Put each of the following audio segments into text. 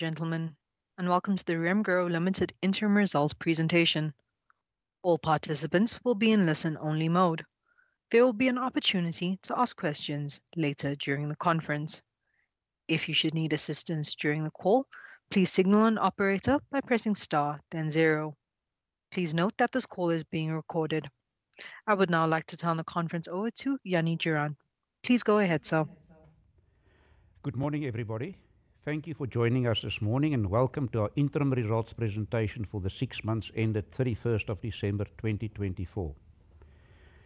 There will be an opportunity to ask questions later during the conference. If you should need assistance during the call, please signal an operator by pressing star, then zero. Please note that this call is being recorded. I would now like to turn the conference over to Jannie Durand. Please go ahead, sir. Good morning, everybody. Thank you for joining us this morning, and welcome to our Interim Results Presentation for the six months ended 31st of December 2024.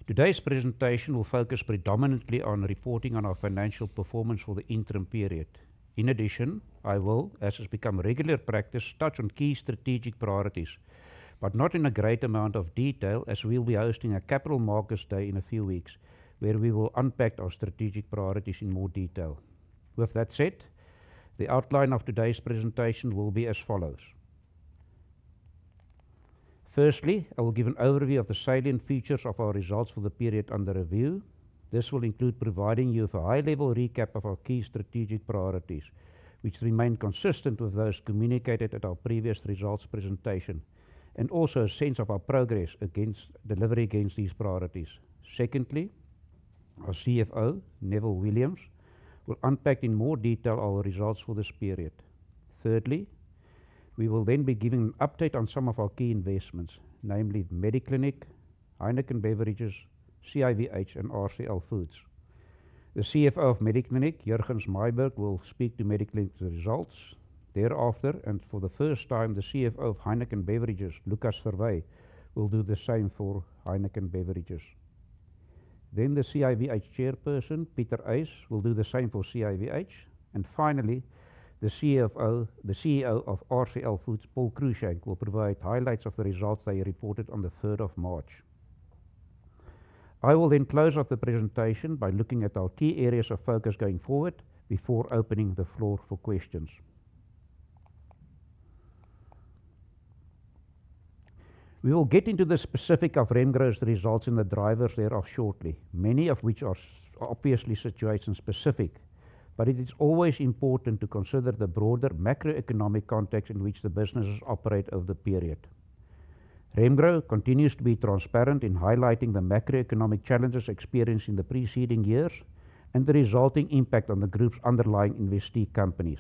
Today's presentation will focus predominantly on reporting on our financial performance for the interim period. In addition, I will, as has become regular practice, touch on key strategic priorities, but not in a great amount of detail, as we'll be hosting a Capital Markets Day in a few weeks, where we will unpack our strategic priorities in more detail. With that said, the outline of today's presentation will be as follows. Firstly, I will give an overview of the salient features of our results for the period under review. This will include providing you with a high-level recap of our key strategic priorities, which remain consistent with those communicated at our previous results presentation, and also a sense of our progress against delivery against these priorities. Secondly, our CFO, Neville Williams, will unpack in more detail our results for this period. Thirdly, we will then be giving an update on some of our key investments, namely Mediclinic, Heineken Beverages, CIVH, and RCL Foods. The CFO of Mediclinic, Jurgens Myburgh, will speak to Mediclinic's results. Thereafter, and for the first time, the CFO of Heineken Beverages, Lucas Verwey, will do the same for Heineken Beverages. The CIVH Chairperson, Pieter Uys, will do the same for CIVH. Finally, the CEO of RCL Foods, Paul Cruickshank, will provide highlights of the results they reported on the 3rd of March. I will then close off the presentation by looking at our key areas of focus going forward before opening the floor for questions. We will get into the specifics of Remgro's results and the drivers thereof shortly, many of which are obviously situation-specific, but it is always important to consider the broader macroeconomic context in which the businesses operate over the period. Remgro continues to be transparent in highlighting the macroeconomic challenges experienced in the preceding years and the resulting impact on the group's underlying investee companies.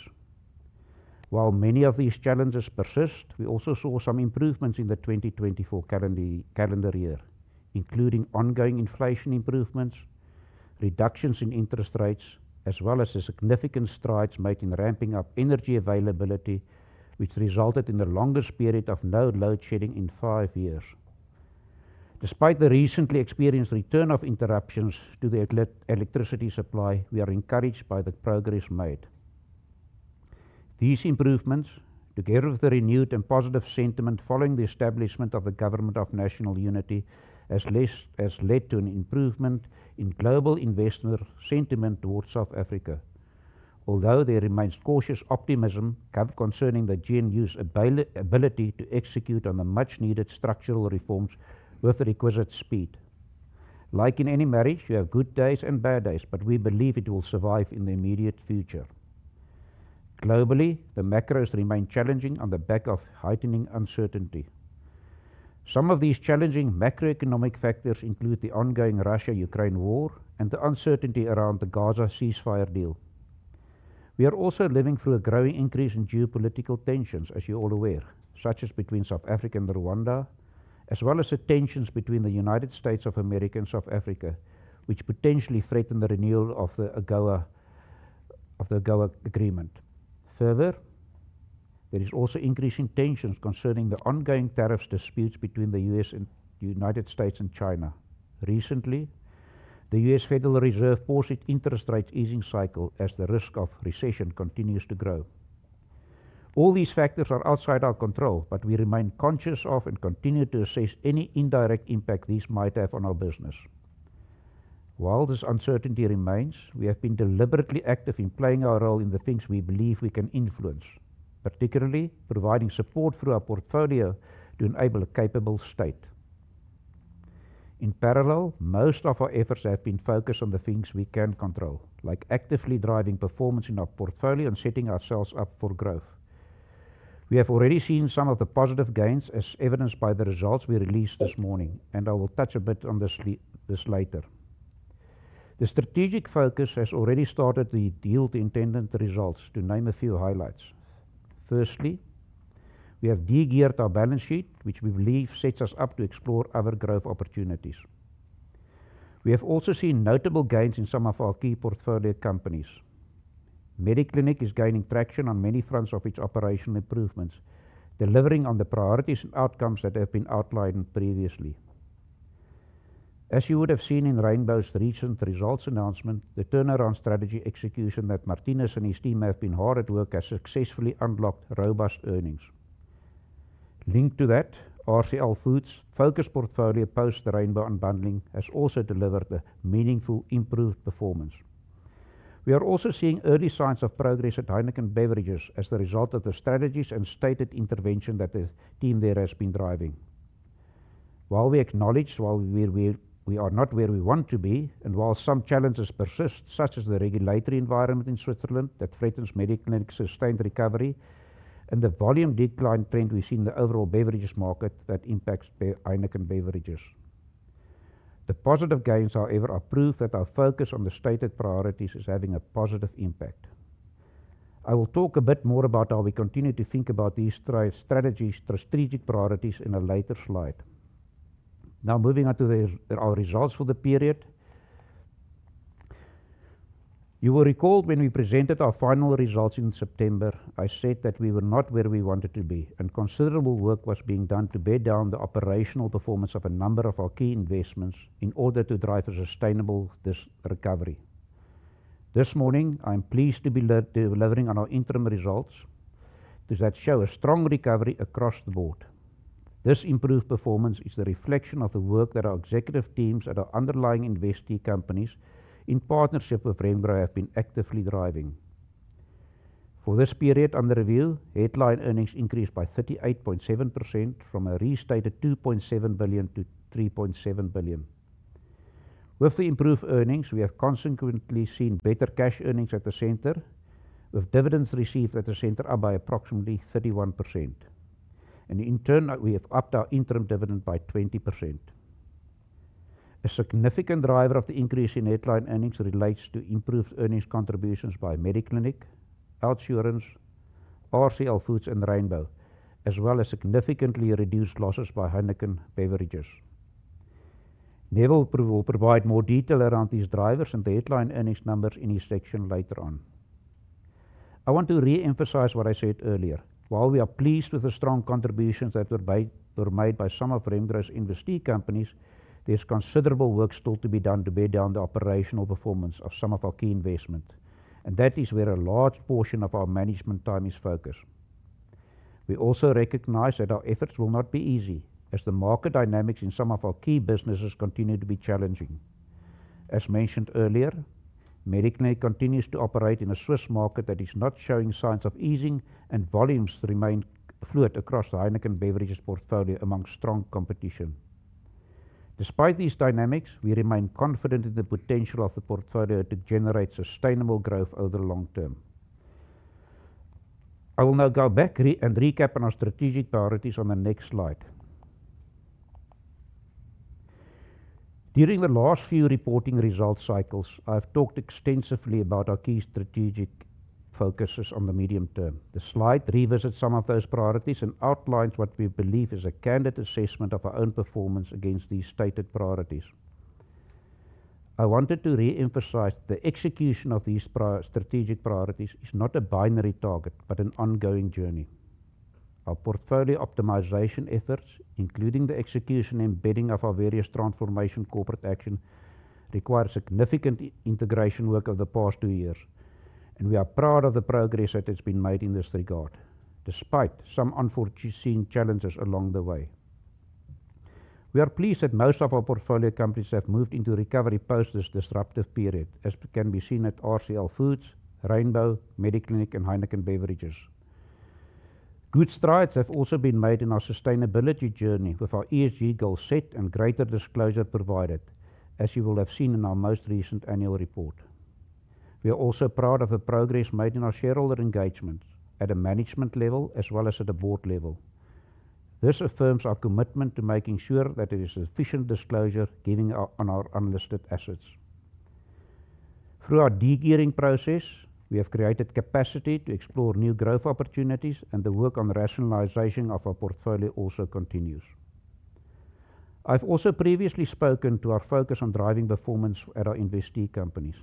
While many of these challenges persist, we also saw some improvements in the 2024 calendar year, including ongoing inflation improvements, reductions in interest rates, as well as the significant strides made in ramping up energy availability, which resulted in a longer period of no load shedding in five years. Despite the recently experienced return of interruptions to the electricity supply, we are encouraged by the progress made. These improvements, together with the renewed and positive sentiment following the establishment of the Government of National Unity, have led to an improvement in global investor sentiment towards South Africa. Although there remains cautious optimism concerning the GNU's ability to execute on the much-needed structural reforms with requisite speed. Like in any marriage, you have good days and bad days, but we believe it will survive in the immediate future. Globally, the macros remain challenging on the back of heightening uncertainty. Some of these challenging macroeconomic factors include the ongoing Russia-Ukraine war and the uncertainty around the Gaza ceasefire deal. We are also living through a growing increase in geopolitical tensions, as you're all aware, such as between South Africa and Rwanda, as well as the tensions between the United States of America and South Africa, which potentially threaten the renewal of the AGOA agreement. Further, there is also increasing tension concerning the ongoing tariff disputes between the United States and China. Recently, the U.S. Federal Reserve paused its interest rate easing cycle as the risk of recession continues to grow. All these factors are outside our control, but we remain conscious of and continue to assess any indirect impact these might have on our business. While this uncertainty remains, we have been deliberately active in playing our role in the things we believe we can influence, particularly providing support through our portfolio to enable a capable state. In parallel, most of our efforts have been focused on the things we can control, like actively driving performance in our portfolio and setting ourselves up for growth. We have already seen some of the positive gains, as evidenced by the results we released this morning, and I will touch a bit on this later. The strategic focus has already started to yield intended results, to name a few highlights. Firstly, we have degeared our balance sheet, which we believe sets us up to explore other growth opportunities. We have also seen notable gains in some of our key portfolio companies. Mediclinic is gaining traction on many fronts of its operational improvements, delivering on the priorities and outcomes that have been outlined previously. As you would have seen in Rainbow's recent results announcement, the turnaround strategy execution that Martinez and his team have been hard at work at successfully unlocked robust earnings. Linked to that, RCL Foods' focused portfolio post-Rainbow unbundling has also delivered a meaningful improved performance. We are also seeing early signs of progress at Heineken Beverages as the result of the strategies and stated intervention that the team there has been driving. While we acknowledge we are not where we want to be, and while some challenges persist, such as the regulatory environment in Switzerland that threatens Mediclinic's sustained recovery and the volume decline trend we see in the overall beverages market that impacts Heineken Beverages. The positive gains, however, are proof that our focus on the stated priorities is having a positive impact. I will talk a bit more about how we continue to think about these strategic priorities in a later slide. Now, moving on to our results for the period. You will recall when we presented our final results in September, I said that we were not where we wanted to be, and considerable work was being done to bear down the operational performance of a number of our key investments in order to drive a sustainable recovery. This morning, I am pleased to be delivering on our interim results that show a strong recovery across the board. This improved performance is the reflection of the work that our executive teams and our underlying investee companies, in partnership with Rainbow, have been actively driving. For this period under review, headline earnings increased by 38.7% from a restated 2.7 billion-3.7 billion. With the improved earnings, we have consequently seen better cash earnings at the center, with dividends received at the center up by approximately 31%. In turn, we have upped our interim dividend by 20%. A significant driver of the increase in headline earnings relates to improved earnings contributions by Mediclinic, OUTsurance Group, RCL Foods, and Rainbow, as well as significantly reduced losses by Heineken Beverages. Neville will provide more detail around these drivers and the headline earnings numbers in his section later on. I want to re-emphasize what I said earlier. While we are pleased with the strong contributions that were made by some of Remgro's investee companies, there is considerable work still to be done to bear down the operational performance of some of our key investments, and that is where a large portion of our management time is focused. We also recognize that our efforts will not be easy, as the market dynamics in some of our key businesses continue to be challenging. As mentioned earlier, Mediclinic continues to operate in a Swiss market that is not showing signs of easing, and volumes remain fluid across the Heineken Beverages portfolio among strong competition. Despite these dynamics, we remain confident in the potential of the portfolio to generate sustainable growth over the long term. I will now go back and recap on our strategic priorities on the next slide. During the last few reporting results cycles, I have talked extensively about our key strategic focuses on the medium term. The slide revisits some of those priorities and outlines what we believe is a candid assessment of our own performance against these stated priorities. I wanted to re-emphasize that the execution of these strategic priorities is not a binary target, but an ongoing journey. Our portfolio optimization efforts, including the execution and embedding of our various transformation corporate actions, require significant integration work over the past two years, and we are proud of the progress that has been made in this regard, despite some unforeseen challenges along the way. We are pleased that most of our portfolio companies have moved into recovery post this disruptive period, as can be seen at RCL Foods, Rainbow, Mediclinic, and Heineken Beverages. Good strides have also been made in our sustainability journey with our ESG goals set and greater disclosure provided, as you will have seen in our most recent annual report. We are also proud of the progress made in our shareholder engagements at a management level as well as at a board level. This affirms our commitment to making sure that there is sufficient disclosure given on our unlisted assets. Through our degearing process, we have created capacity to explore new growth opportunities, and the work on rationalization of our portfolio also continues. I've also previously spoken to our focus on driving performance at our investee companies.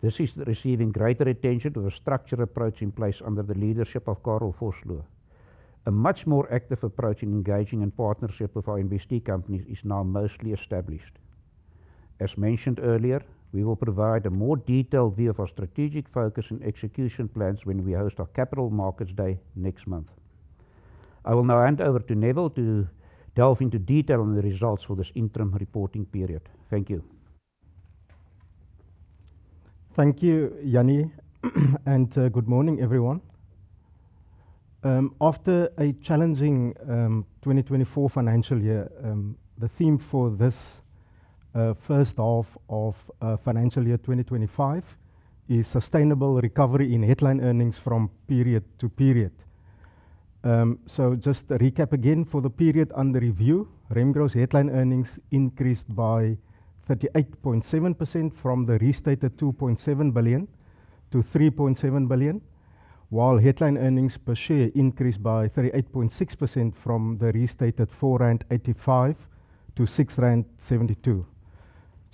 This is receiving greater attention with a structured approach in place under the leadership of Carel Vosloo. A much more active approach in engaging in partnership with our investee companies is now mostly established. As mentioned earlier, we will provide a more detailed view of our strategic focus and execution plans when we host our Capital Markets Day next month. I will now hand over to Neville to delve into detail on the results for this interim reporting period. Thank you. Thank you, Jannie, and good morning, everyone. After a challenging 2024 financial year, the theme for this first half of financial year 2025 is sustainable recovery in headline earnings from period to period. Just to recap again for the period under review, Rainbow's headline earnings increased by 38.7% from the restated 2.7 billion to 3.7 billion, while headline earnings per share increased by 38.6% from the restated 4.85 rand to 6.72 rand.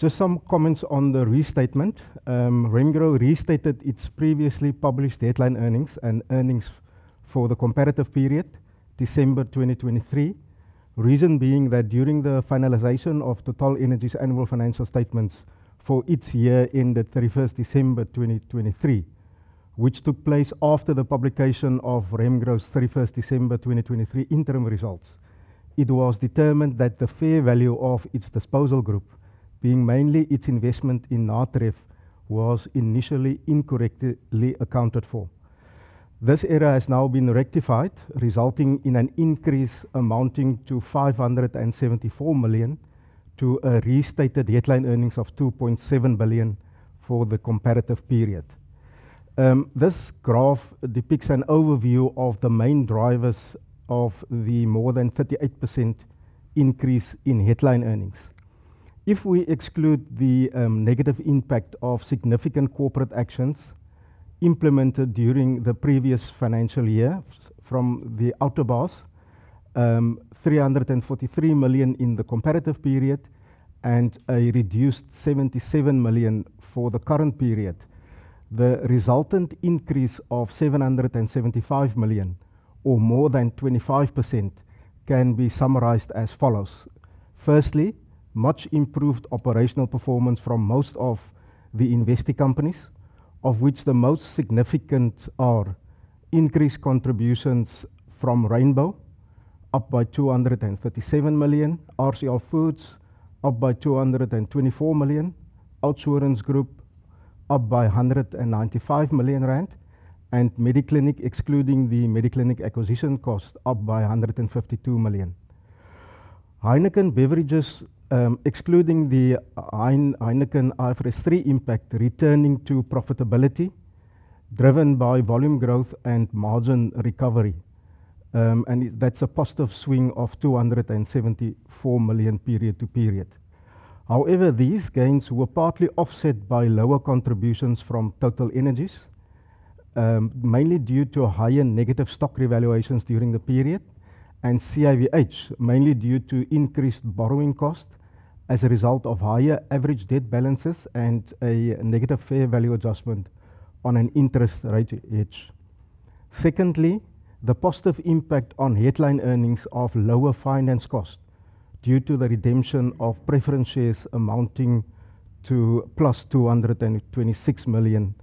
Just some comments on the restatement. Rainbow restated its previously published headline earnings and earnings for the comparative period, December 2023, reason being that during the finalization of TotalEnergies annual financial statements for its year ended 31st December 2023, which took place after the publication of Rainbow's 31st December 2023 interim results, it was determined that the fair value of its disposal group, being mainly its investment in NATREF, was initially incorrectly accounted for. This error has now been rectified, resulting in an increase amounting to 574 million to a restated headline earnings of 2.7 billion for the comparative period. This graph depicts an overview of the main drivers of the more than 38% increase in headline earnings. If we exclude the negative impact of significant corporate actions implemented during the previous financial year from the outer bus, 343 million in the comparative period, and a reduced 77 million for the current period, the resultant increase of 775 million, or more than 25%, can be summarized as follows. Firstly, much improved operational performance from most of the investee companies, of which the most significant are increased contributions from Rainbow, up by 237 million, RCL Foods, up by 224 million, OUTsurance Group, up by 195 million rand, and Mediclinic, excluding the Mediclinic acquisition cost, up by 152 million. Heineken Beverages, excluding the Heineken IFRS 3 impact, returning to profitability driven by volume growth and margin recovery. That is a positive swing of 274 million period to period. However, these gains were partly offset by lower contributions from TotalEnergies, mainly due to higher negative stock revaluations during the period, and CIVH, mainly due to increased borrowing cost as a result of higher average debt balances and a negative fair value adjustment on an interest rate hedge. Secondly, the positive impact on headline earnings of lower finance cost due to the redemption of preference shares amounting to 226 million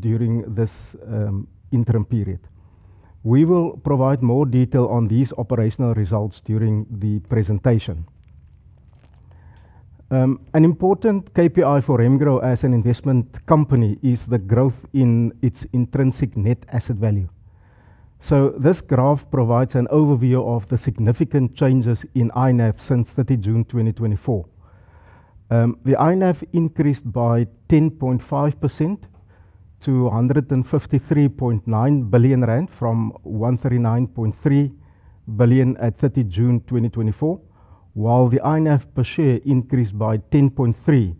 during this interim period. We will provide more detail on these operational results during the presentation. An important KPI for Rainbow as an investment company is the growth in its intrinsic net asset value. This graph provides an overview of the significant changes in INAV since 30 June 2024. The INAV increased by 10.5% to 153.9 billion rand from 139.3 billion at 30 June 2024, while the INAV per share increased by 10.3%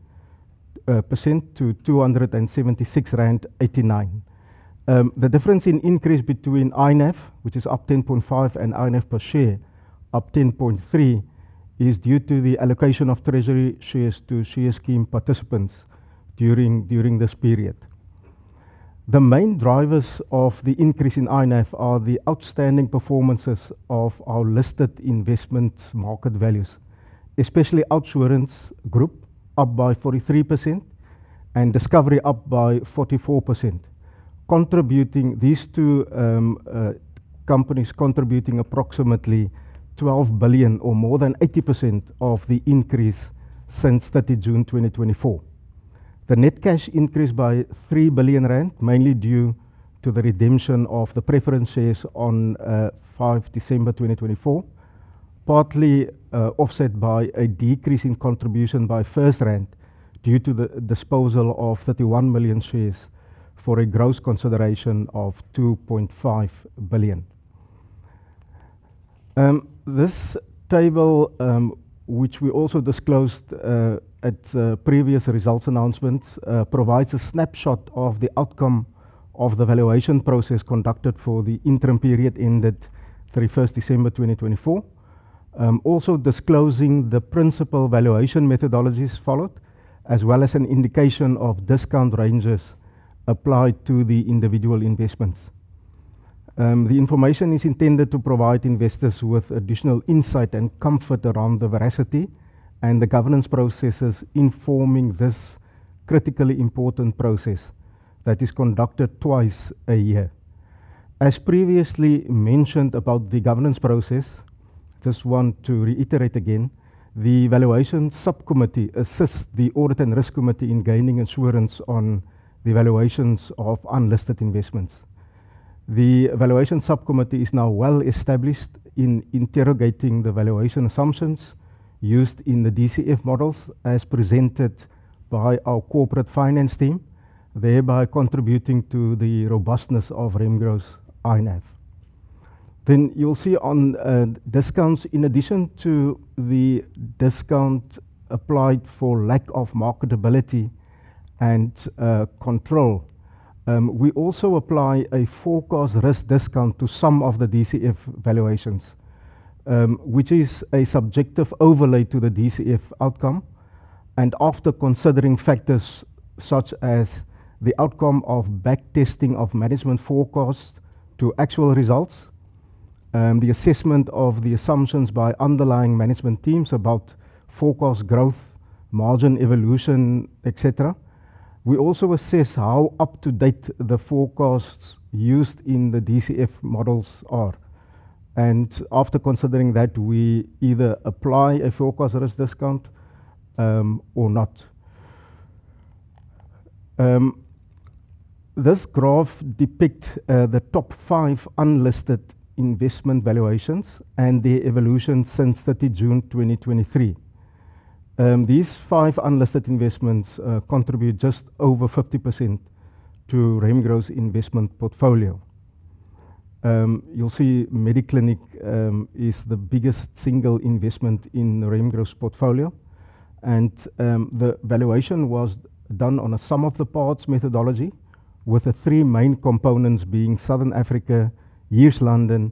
to 276.89 rand. The difference in increase between INAV, which is up 10.5%, and INAV per share, up 10.3%, is due to the allocation of treasury shares to share scheme participants during this period. The main drivers of the increase in INAV are the outstanding performances of our listed investment market values, especially OUTsurance Group, up by 43%, and Discovery, up by 44%. These two companies contributing approximately 12 billion, or more than 80% of the increase since 30 June 2024. The net cash increased by 3 billion rand, mainly due to the redemption of the preference shares on 5 December 2024, partly offset by a decrease in contribution by FirstRand due to the disposal of 31 million shares for a gross consideration of 2.5 billion. This table, which we also disclosed at previous results announcements, provides a snapshot of the outcome of the valuation process conducted for the interim period ended 31 December 2024, also disclosing the principal valuation methodologies followed, as well as an indication of discount ranges applied to the individual investments. The information is intended to provide investors with additional insight and comfort around the veracity and the governance processes informing this critically important process that is conducted twice a year. As previously mentioned about the governance process, I just want to reiterate again, the valuation subcommittee assists the audit and risk committee in gaining assurance on the valuations of unlisted investments. The valuation subcommittee is now well established in interrogating the valuation assumptions used in the DCF models, as presented by our corporate finance team, thereby contributing to the robustness of Rainbow's INAV. You will see on discounts, in addition to the discount applied for lack of marketability and control, we also apply a forecast risk discount to some of the DCF valuations, which is a subjective overlay to the DCF outcome. After considering factors such as the outcome of back testing of management forecast to actual results, the assessment of the assumptions by underlying management teams about forecast growth, margin evolution, etc., we also assess how up to date the forecasts used in the DCF models are. After considering that, we either apply a forecast risk discount or not. This graph depicts the top five unlisted investment valuations and their evolution since 30 June 2023. These five unlisted investments contribute just over 50% to Remgro's investment portfolio. You'll see Mediclinic is the biggest single investment in Remgro's portfolio, and the valuation was done on a sum of the parts methodology, with the three main components being Southern Africa, East London,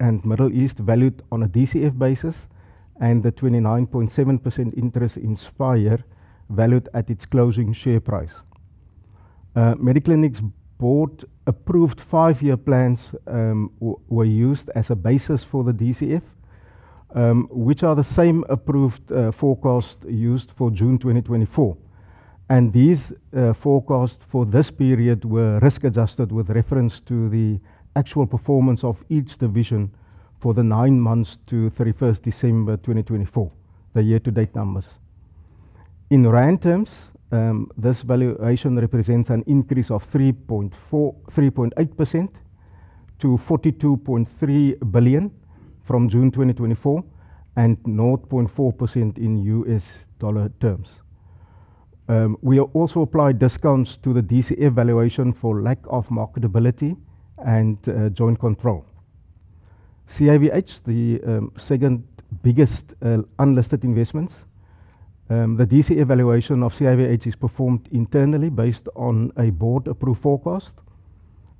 and Middle East valued on a DCF basis, and the 29.7% interest in Spire valued at its closing share price. Mediclinic's board-approved five-year plans were used as a basis for the DCF, which are the same approved forecasts used for June 2024. These forecasts for this period were risk-adjusted with reference to the actual performance of each division for the nine months to 31 December 2024, the year-to-date numbers. In Rand terms, this valuation represents an increase of 3.8% to 42.3 billion from June 2024 and 0.4% in U.S. Dollar terms. We also applied discounts to the DCF valuation for lack of marketability and joint control. CIVH, the second biggest unlisted investment, the DCF valuation of CIVH is performed internally based on a board-approved forecast,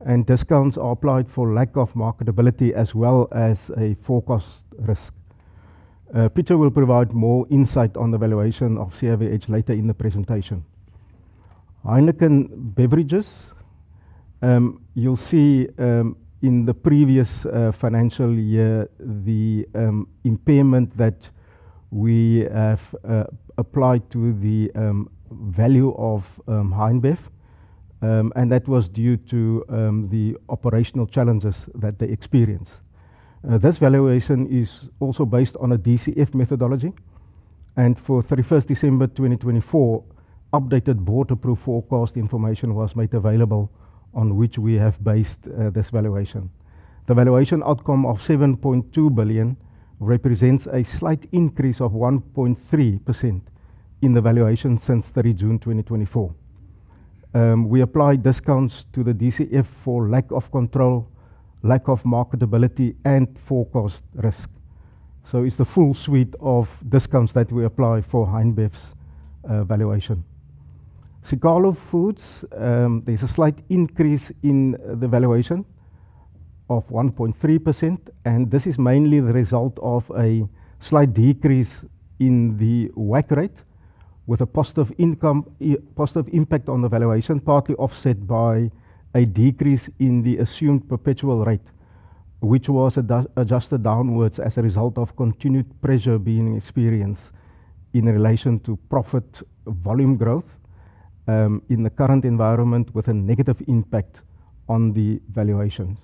and discounts are applied for lack of marketability as well as a forecast risk. Peter will provide more insight on the valuation of CIVH later in the presentation. Heineken Beverages, you'll see in the previous financial year the impairment that we have applied to the value of Heinbev, and that was due to the operational challenges that they experienced. This valuation is also based on a DCF methodology, and for 31 December 2024, updated board-approved forecast information was made available on which we have based this valuation. The valuation outcome of 7.2 billion represents a slight increase of 1.3% in the valuation since 30 June 2024. We applied discounts to the DCF for lack of control, lack of marketability, and forecast risk. It's the full suite of discounts that we apply for Heineken Beverages' valuation. Siqalo Foods, there's a slight increase in the valuation of 1.3%, and this is mainly the result of a slight decrease in the WACC rate, with a positive impact on the valuation, partly offset by a decrease in the assumed perpetual rate, which was adjusted downwards as a result of continued pressure being experienced in relation to profit volume growth in the current environment, with a negative impact on the valuations.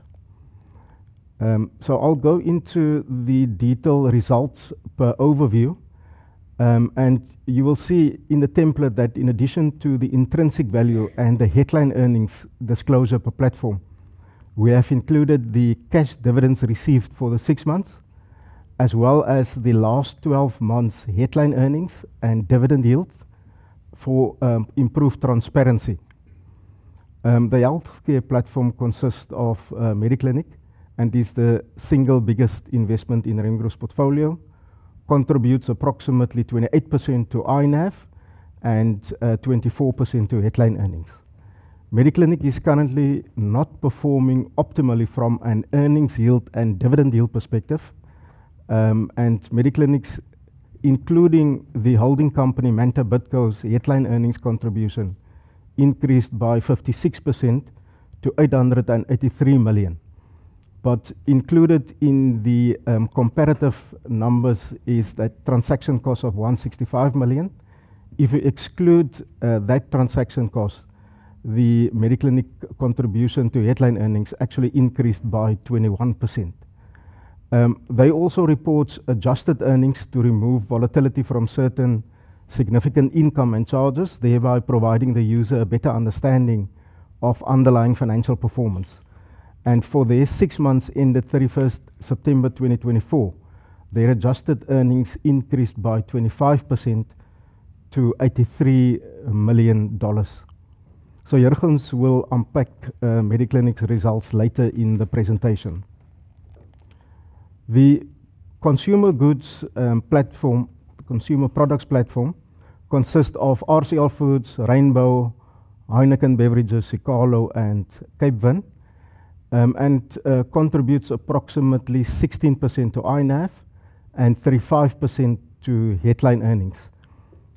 I'll go into the detailed results per overview, and you will see in the template that in addition to the intrinsic value and the headline earnings disclosure per platform, we have included the cash dividends received for the six months, as well as the last 12 months' headline earnings and dividend yields for improved transparency. The healthcare platform consists of Mediclinic, and it is the single biggest investment in Remgro's portfolio, contributes approximately 28% to INAV and 24% to headline earnings. Mediclinic is currently not performing optimally from an earnings yield and dividend yield perspective, and Mediclinic's, including the holding company Manta Bidco's headline earnings contribution, increased by 56% to 883 million. Included in the comparative numbers is that transaction cost of 165 million. If you exclude that transaction cost, the Mediclinic contribution to headline earnings actually increased by 21%. They also report adjusted earnings to remove volatility from certain significant income and charges, thereby providing the user a better understanding of underlying financial performance. For their six months ended 31st September 2024, their adjusted earnings increased by 25% to $83 million. Jurgens will unpack Mediclinic's results later in the presentation. The consumer goods platform, the consumer products platform, consists of RCL Foods, Rainbow, Heineken Beverages, Siqalo Foods, and Capevin Holdings, and contributes approximately 16% to INAV and 35% to headline earnings,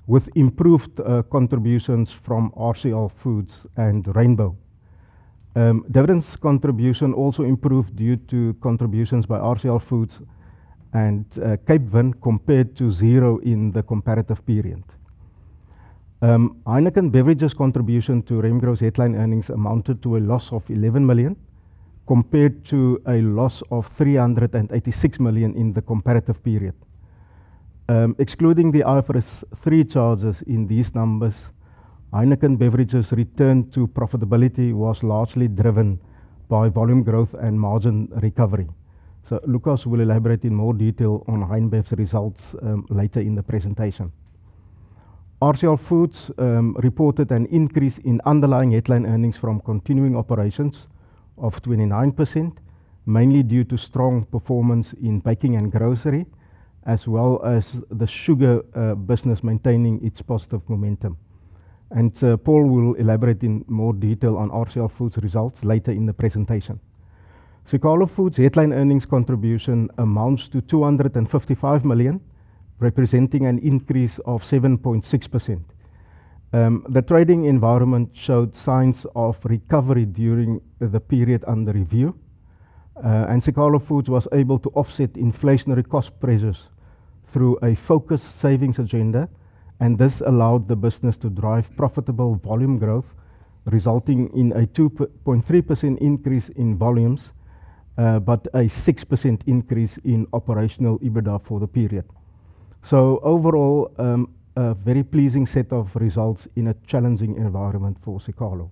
with improved contributions from RCL Foods and Rainbow. Dividends contribution also improved due to contributions by RCL Foods and Capevin Holdings compared to zero in the comparative period. Heineken Beverages' contribution to Rainbow's headline earnings amounted to a loss of $11 million compared to a loss of $386 million in the comparative period. Excluding the IFRS 3 charges in these numbers, Heineken Beverages' return to profitability was largely driven by volume growth and margin recovery. Lukas will elaborate in more detail on Heineken Beverages' results later in the presentation. RCL Foods reported an increase in underlying headline earnings from continuing operations of 29%, mainly due to strong performance in baking and grocery, as well as the sugar business maintaining its positive momentum. Paul will elaborate in more detail on RCL Foods' results later in the presentation. Siqalo Foods' headline earnings contribution amounts to 255 million, representing an increase of 7.6%. The trading environment showed signs of recovery during the period under review, and Siqalo Foods was able to offset inflationary cost pressures through a focused savings agenda, and this allowed the business to drive profitable volume growth, resulting in a 2.3% increase in volumes, but a 6% increase in operational EBITDA for the period. Overall, a very pleasing set of results in a challenging environment for Siqalo.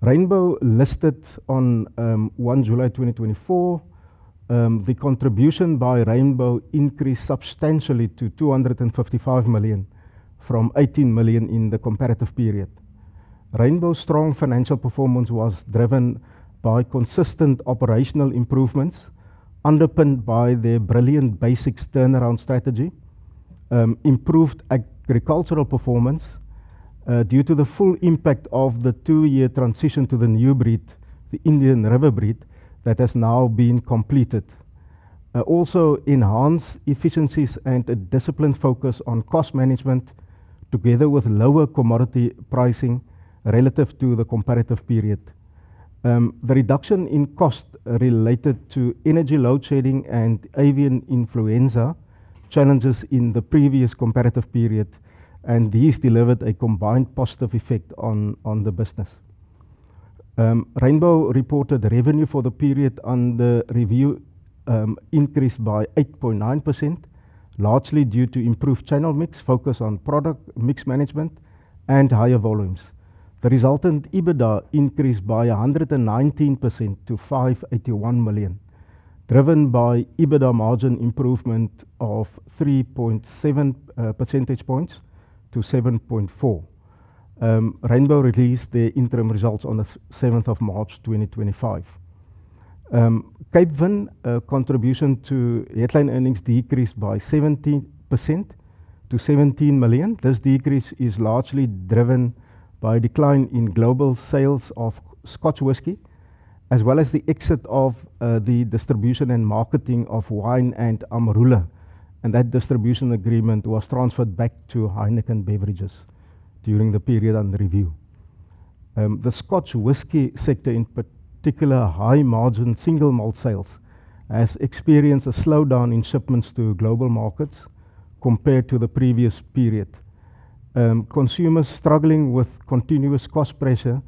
Rainbow listed on 1 July 2024, the contribution by Rainbow increased substantially to 255 million from 18 million in the comparative period. Rainbow's strong financial performance was driven by consistent operational improvements, underpinned by their brilliant basic turnaround strategy, improved agricultural performance due to the full impact of the two-year transition to the new breed, the Indian River breed that has now been completed. Also enhanced efficiencies and a disciplined focus on cost management, together with lower commodity pricing relative to the comparative period. The reduction in cost related to energy load shedding and avian influenza challenges in the previous comparative period, and these delivered a combined positive effect on the business. Rainbow reported revenue for the period under review increased by 8.9%, largely due to improved channel mix, focus on product mix management, and higher volumes. The resultant EBITDA increased by 119% to 581 million, driven by EBITDA margin improvement of 3.7 percentage points to 7.4%. Rainbow released their interim results on 7 March 2025. Capevin contribution to headline earnings decreased by 17% to 17 million. This decrease is largely driven by a decline in global sales of Scotch whisky, as well as the exit of the distribution and marketing of wine and Amarula, and that distribution agreement was transferred back to Heineken Beverages during the period under review. The Scotch whisky sector, in particular, high margin single malt sales, has experienced a slowdown in shipments to global markets compared to the previous period. Consumers struggling with continuous cost pressure,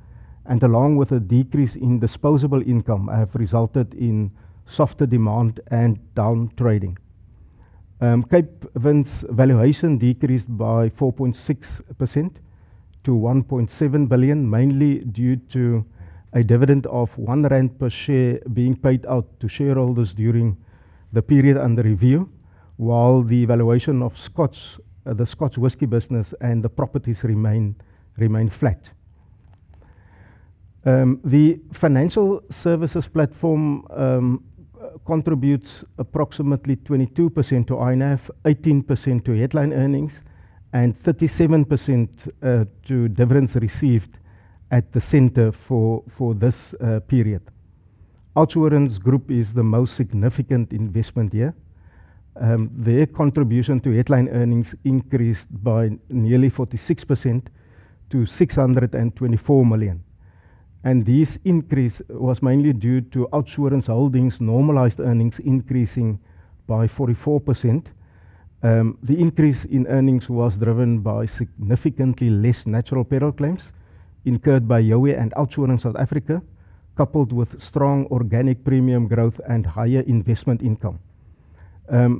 and along with a decrease in disposable income, have resulted in softer demand and down trading. Capevin's valuation decreased by 4.6% to 1.7 billion, mainly due to a dividend of 1 rand per share being paid out to shareholders during the period under review, while the valuation of the Scotch whisky business and the properties remained flat. The financial services platform contributes approximately 22% to INAV, 18% to headline earnings, and 37% to dividends received at the center for this period. OUTsurance Group is the most significant investment here. Their contribution to headline earnings increased by nearly 46% to 624 million. This increase was mainly due to OUTsurance Holdings' normalized earnings increasing by 44%. The increase in earnings was driven by significantly less natural peril claims incurred by Youi and OUTsurance in South Africa, coupled with strong organic premium growth and higher investment income.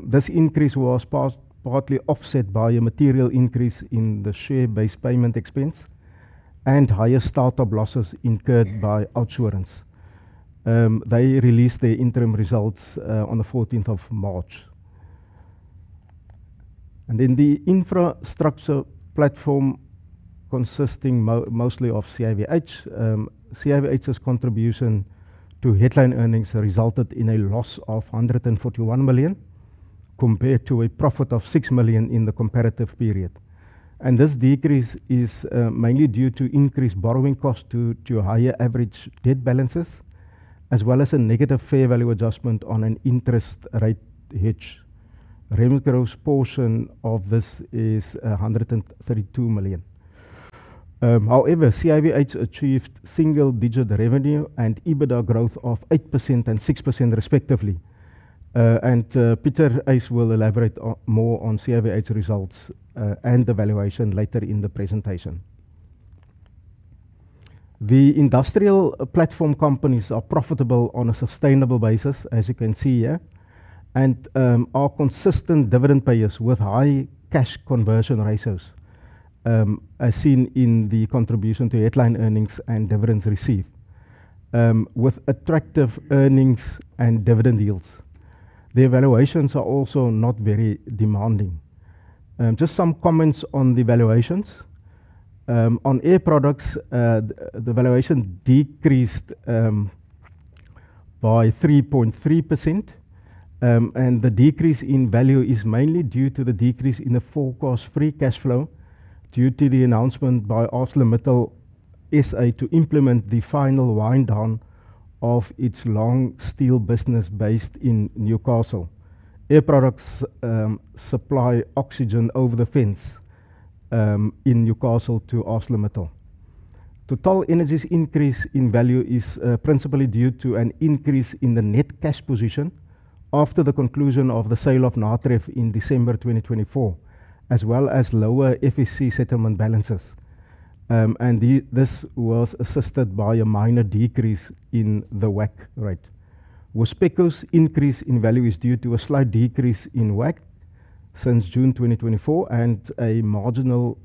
This increase was partly offset by a material increase in the share-based payment expense and higher start-up losses incurred by OUTsurance. They released their interim results on the 14th of March. The infrastructure platform, consisting mostly of CIVH, CIVH's contribution to headline earnings resulted in a loss of 141 million compared to a profit of 6 million in the comparative period. This decrease is mainly due to increased borrowing costs due to higher average debt balances, as well as a negative fair value adjustment on an interest rate hedge. Remgro's portion of this is 132 million. However, CIVH achieved single-digit revenue and EBITDA growth of 8% and 6% respectively. Pieter Uys will elaborate more on CIVH results and the valuation later in the presentation. The industrial platform companies are profitable on a sustainable basis, as you can see here, and are consistent dividend payers with high cash conversion ratios, as seen in the contribution to headline earnings and dividends received, with attractive earnings and dividend yields. Their valuations are also not very demanding. Just some comments on the valuations. On Air Products, the valuation decreased by 3.3%, and the decrease in value is mainly due to the decrease in the forecast free cash flow due to the announcement by ArcelorMittal SA to implement the final wind-down of its long steel business based in Newcastle. Air Products supply oxygen over the fence in Newcastle to ArcelorMittal. TotalEnergies' increase in value is principally due to an increase in the net cash position after the conclusion of the sale of NATREF in December 2024, as well as lower FSC settlement balances. This was assisted by a minor decrease in the WACC rate. WISPECO's increase in value is due to a slight decrease in WACC since June 2024 and marginal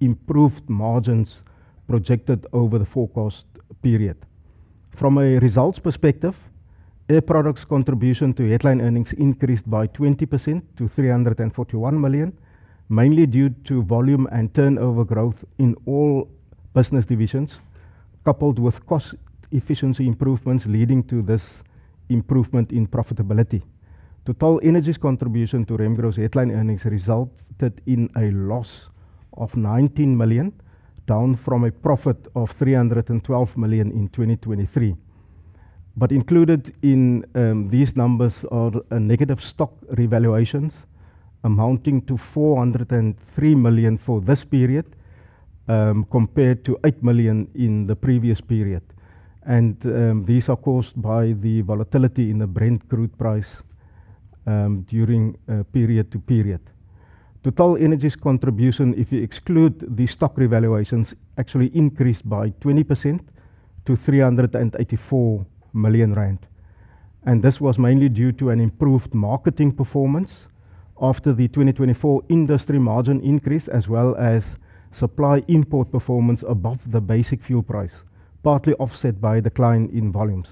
improved margins projected over the forecast period. From a results perspective, Air Products' contribution to headline earnings increased by 20% to 341 million, mainly due to volume and turnover growth in all business divisions, coupled with cost efficiency improvements leading to this improvement in profitability. TotalEnergies' contribution to Rainbow's headline earnings resulted in a loss of 19 million, down from a profit of 312 million in 2023. Included in these numbers are negative stock revaluations amounting to 403 million for this period compared to 8 million in the previous period. These are caused by the volatility in the Brent crude price during period to period. TotalEnergies' contribution, if you exclude the stock revaluations, actually increased by 20% to 384 million rand. This was mainly due to an improved marketing performance after the 2024 industry margin increase, as well as supply import performance above the basic fuel price, partly offset by a decline in volumes.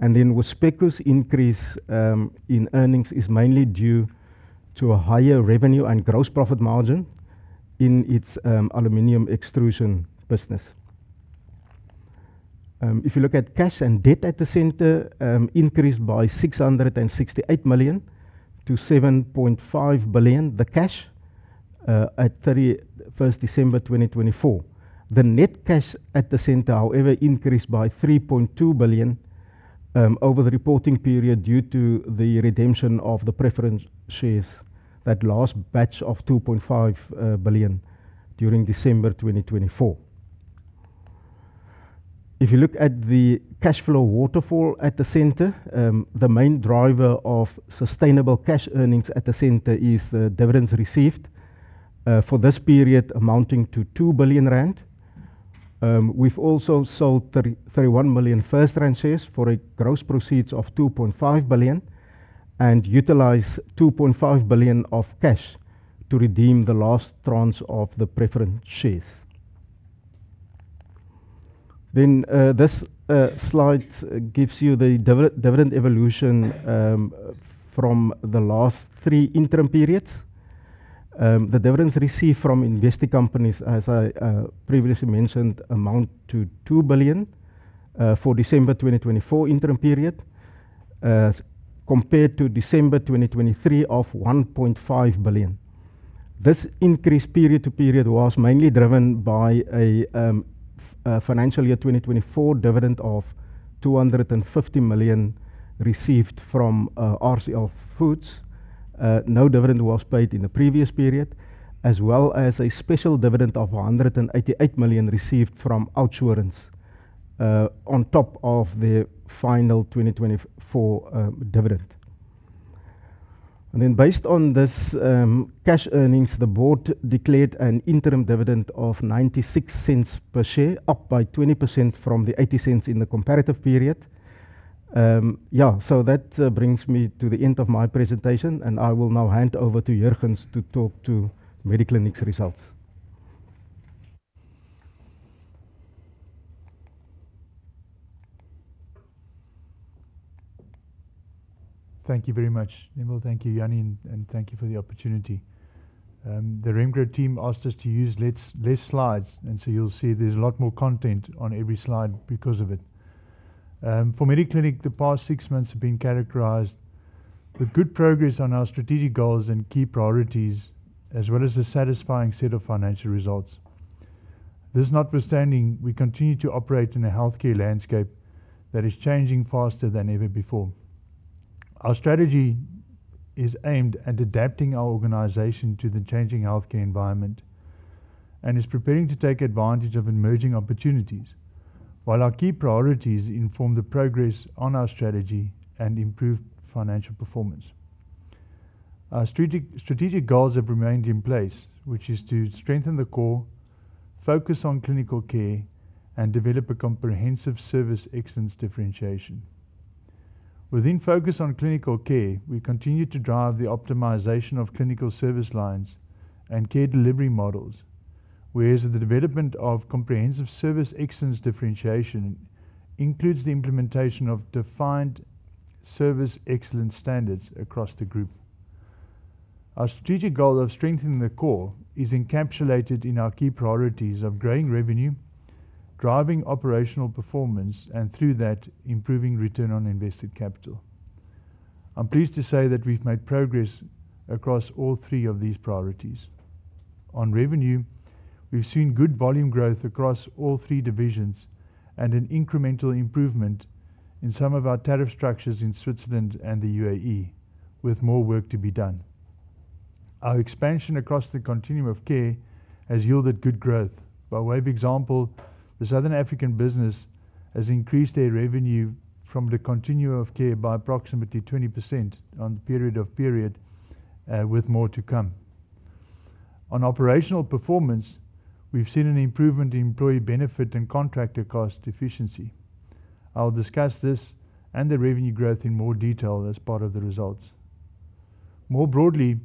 WISPECO's increase in earnings is mainly due to a higher revenue and gross profit margin in its aluminum extrusion business. If you look at cash and debt at the center, increased by 668 million to 7.5 billion, the cash at 31 December 2024. The net cash at the center, however, increased by 3.2 billion over the reporting period due to the redemption of the preference shares, that last batch of 2.5 billion during December 2024. If you look at the cash flow waterfall at the center, the main driver of sustainable cash earnings at the center is the dividends received for this period, amounting to 2 billion rand. We've also sold 31 million FirstRand shares for a gross proceeds of 2.5 billion and utilized 2.5 billion of cash to redeem the last tranche of the preference shares. This slide gives you the dividend evolution from the last three interim periods. The dividends received from investing companies, as I previously mentioned, amount to 2 billion for December 2024 interim period, compared to December 2023 of 1.5 billion. This increase period to period was mainly driven by a financial year 2024 dividend of 250 million received from RCL Foods. No dividend was paid in the previous period, as well as a special dividend of 188 million received from Altura on top of the final 2024 dividend. Based on this cash earnings, the board declared an interim dividend of 0.96 per share, up by 20% from the 0.80 in the comparative period. Yeah, so that brings me to the end of my presentation, and I will now hand over to Jurgens to talk to Mediclinic's results. Thank you very much, Neville. Thank you, Jannie, and thank you for the opportunity. The Rainbow team asked us to use fewer slides, and so you'll see there's a lot more content on every slide because of it. For Mediclinic, the past six months have been characterized with good progress on our strategic goals and key priorities, as well as a satisfying set of financial results. This notwithstanding, we continue to operate in a healthcare landscape that is changing faster than ever before. Our strategy is aimed at adapting our organization to the changing healthcare environment and is preparing to take advantage of emerging opportunities, while our key priorities inform the progress on our strategy and improved financial performance. Our strategic goals have remained in place, which is to strengthen the core, focus on clinical care, and develop a comprehensive service excellence differentiation. Within focus on clinical care, we continue to drive the optimization of clinical service lines and care delivery models, whereas the development of comprehensive service excellence differentiation includes the implementation of defined service excellence standards across the group. Our strategic goal of strengthening the core is encapsulated in our key priorities of growing revenue, driving operational performance, and through that, improving return on invested capital. I'm pleased to say that we've made progress across all three of these priorities. On revenue, we've seen good volume growth across all three divisions and an incremental improvement in some of our tariff structures in Switzerland and the UAE, with more work to be done. Our expansion across the continuum of care has yielded good growth. By way of example, the Southern African business has increased their revenue from the continuum of care by approximately 20% on the period of period, with more to come. On operational performance, we've seen an improvement in employee benefit and contractor cost efficiency. I'll discuss this and the revenue growth in more detail as part of the results. More broadly,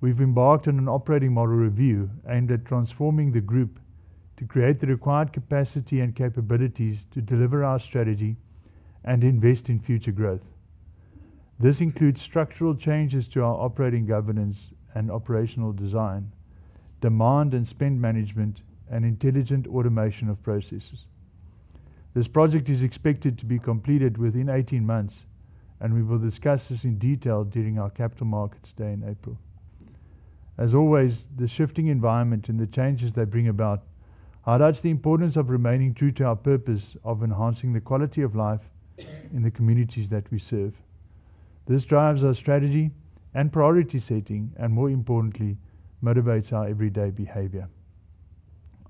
we've embarked on an operating model review aimed at transforming the group to create the required capacity and capabilities to deliver our strategy and invest in future growth. This includes structural changes to our operating governance and operational design, demand and spend management, and intelligent automation of processes. This project is expected to be completed within 18 months, and we will discuss this in detail during our capital markets day in April. As always, the shifting environment and the changes they bring about highlights the importance of remaining true to our purpose of enhancing the quality of life in the communities that we serve. This drives our strategy and priority setting, and more importantly, motivates our everyday behavior.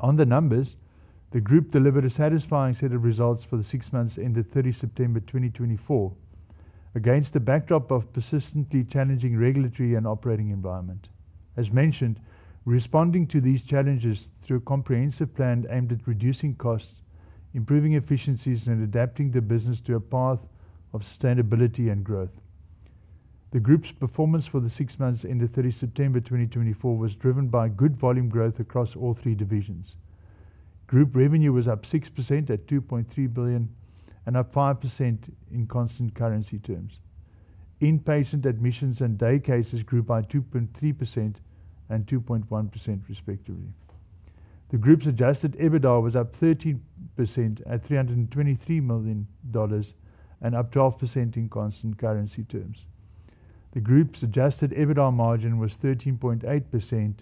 On the numbers, the group delivered a satisfying set of results for the six months ended 30 September 2024, against the backdrop of persistently challenging regulatory and operating environment. As mentioned, we're responding to these challenges through a comprehensive plan aimed at reducing costs, improving efficiencies, and adapting the business to a path of sustainability and growth. The group's performance for the six months ended 30 September 2024 was driven by good volume growth across all three divisions. Group revenue was up 6% at 2.3 billion and up 5% in constant currency terms. Inpatient admissions and day cases grew by 2.3% and 2.1%, respectively. The group's adjusted EBITDA was up 13% at $323 million and up 12% in constant currency terms. The group's adjusted EBITDA margin was 13.8%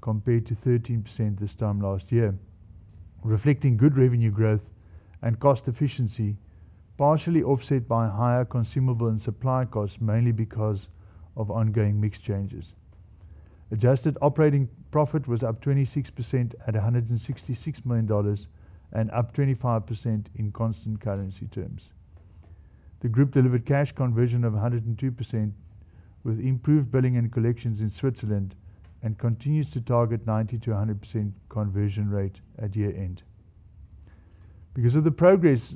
compared to 13% this time last year, reflecting good revenue growth and cost efficiency, partially offset by higher consumable and supply costs, mainly because of ongoing mix changes. Adjusted operating profit was up 26% at $166 million and up 25% in constant currency terms. The group delivered cash conversion of 102% with improved billing and collections in Switzerland and continues to target 90-100% conversion rate at year end. Because of the progress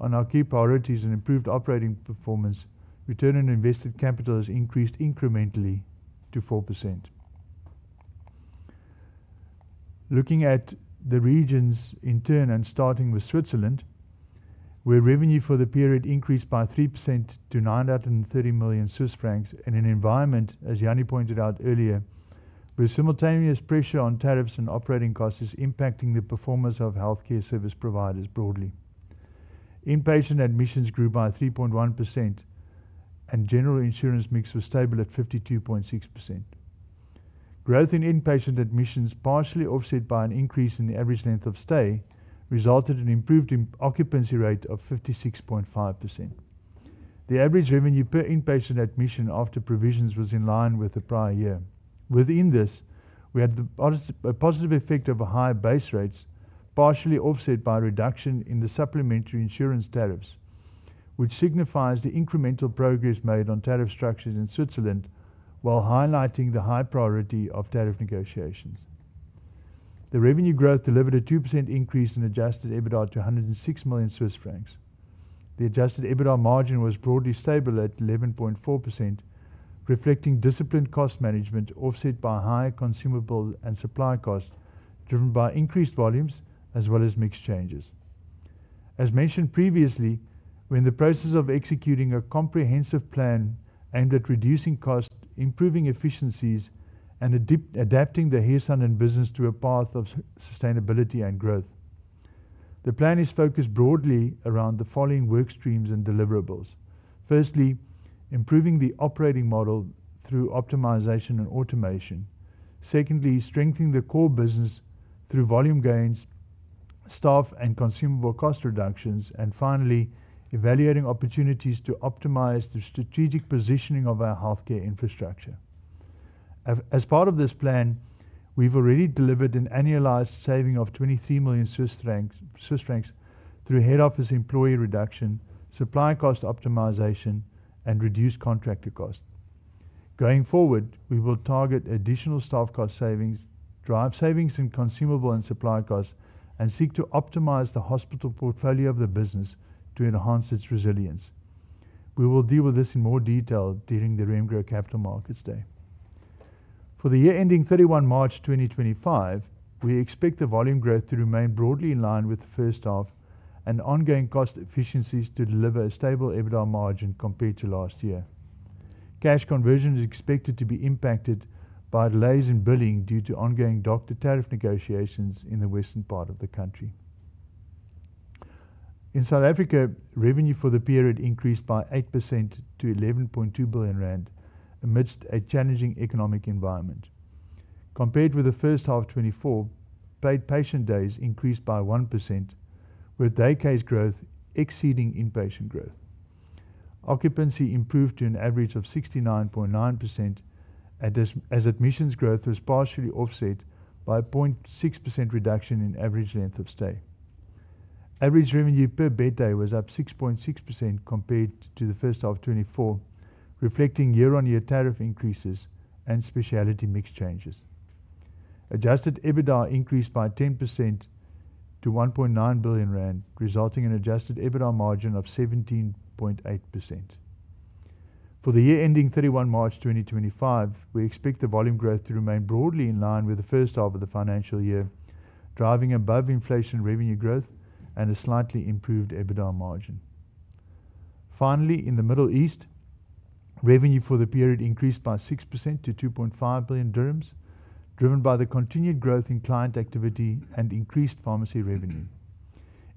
on our key priorities and improved operating performance, return on invested capital has increased incrementally to 4%. Looking at the regions in turn and starting with Switzerland, where revenue for the period increased by 3% to 930 million Swiss francs in an environment, as Jannie pointed out earlier, where simultaneous pressure on tariffs and operating costs is impacting the performance of healthcare service providers broadly. Inpatient admissions grew by 3.1%, and general insurance mix was stable at 52.6%. Growth in inpatient admissions, partially offset by an increase in the average length of stay, resulted in an improved occupancy rate of 56.5%. The average revenue per inpatient admission after provisions was in line with the prior year. Within this, we had a positive effect of higher base rates, partially offset by a reduction in the supplementary insurance tariffs, which signifies the incremental progress made on tariff structures in Switzerland, while highlighting the high priority of tariff negotiations. The revenue growth delivered a 2% increase in adjusted EBITDA to 106 million Swiss francs. The adjusted EBITDA margin was broadly stable at 11.4%, reflecting disciplined cost management offset by higher consumable and supply costs driven by increased volumes, as well as mix changes. As mentioned previously, we're in the process of executing a comprehensive plan aimed at reducing costs, improving efficiencies, and adapting the hair salon business to a path of sustainability and growth. The plan is focused broadly around the following work streams and deliverables. Firstly, improving the operating model through optimization and automation. Secondly, strengthening the core business through volume gains, staff, and consumable cost reductions. Finally, evaluating opportunities to optimize the strategic positioning of our healthcare infrastructure. As part of this plan, we've already delivered an annualized saving of 23 million Swiss francs through head office employee reduction, supply cost optimization, and reduced contractor costs. Going forward, we will target additional staff cost savings, drive savings in consumable and supply costs, and seek to optimize the hospital portfolio of the business to enhance its resilience. We will deal with this in more detail during the Rainbow Capital Markets Day. For the year ending 31 March 2025, we expect the volume growth to remain broadly in line with the first half and ongoing cost efficiencies to deliver a stable EBITDA margin compared to last year. Cash conversion is expected to be impacted by delays in billing due to ongoing doctor tariff negotiations in the western part of the country. In South Africa, revenue for the period increased by 8% to 11.2 billion rand amidst a challenging economic environment. Compared with the first half of 2024, paid patient days increased by 1%, with day case growth exceeding inpatient growth. Occupancy improved to an average of 69.9% as admissions growth was partially offset by a 0.6% reduction in average length of stay. Average revenue per bed day was up 6.6% compared to the first half of 2024, reflecting year-on-year tariff increases and specialty mix changes. Adjusted EBITDA increased by 10% to 1.9 billion rand, resulting in an adjusted EBITDA margin of 17.8%. For the year ending 31 March 2025, we expect the volume growth to remain broadly in line with the first half of the financial year, driving above inflation revenue growth and a slightly improved EBITDA margin. Finally, in the Middle East, revenue for the period increased by 6% to 2.5 billion dirhams, driven by the continued growth in client activity and increased pharmacy revenue.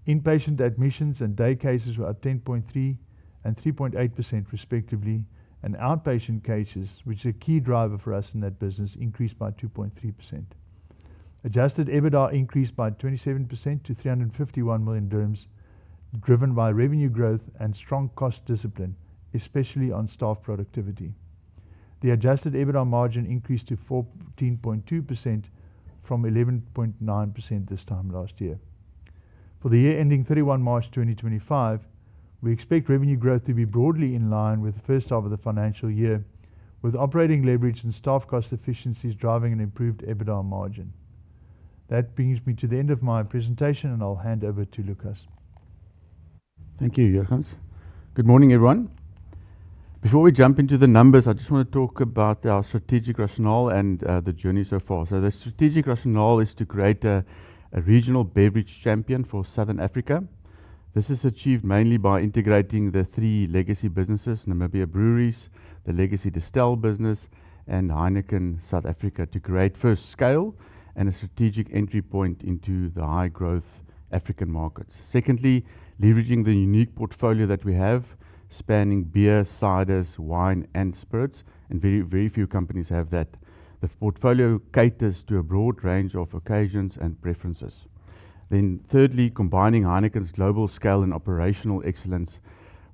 Inpatient admissions and day cases were up 10.3% and 3.8%, respectively, and outpatient cases, which is a key driver for us in that business, increased by 2.3%. Adjusted EBITDA increased by 27% to 351 million dirhams, driven by revenue growth and strong cost discipline, especially on staff productivity. The adjusted EBITDA margin increased to 14.2% from 11.9% this time last year. For the year ending 31 March 2025, we expect revenue growth to be broadly in line with the first half of the financial year, with operating leverage and staff cost efficiencies driving an improved EBITDA margin. That brings me to the end of my presentation, and I'll hand over to Lucas. Thank you, Jurgens. Good morning, everyone. Before we jump into the numbers, I just want to talk about our strategic rationale and the journey so far. The strategic rationale is to create a regional beverage champion for Southern Africa. This is achieved mainly by integrating the three legacy businesses, Namibia Breweries, the legacy Distell business, and Heineken South Africa, to create first scale and a strategic entry point into the high-growth African markets. Secondly, leveraging the unique portfolio that we have, spanning beer, ciders, wine, and spirits, and very, very few companies have that. The portfolio caters to a broad range of occasions and preferences. Thirdly, combining Heineken's global scale and operational excellence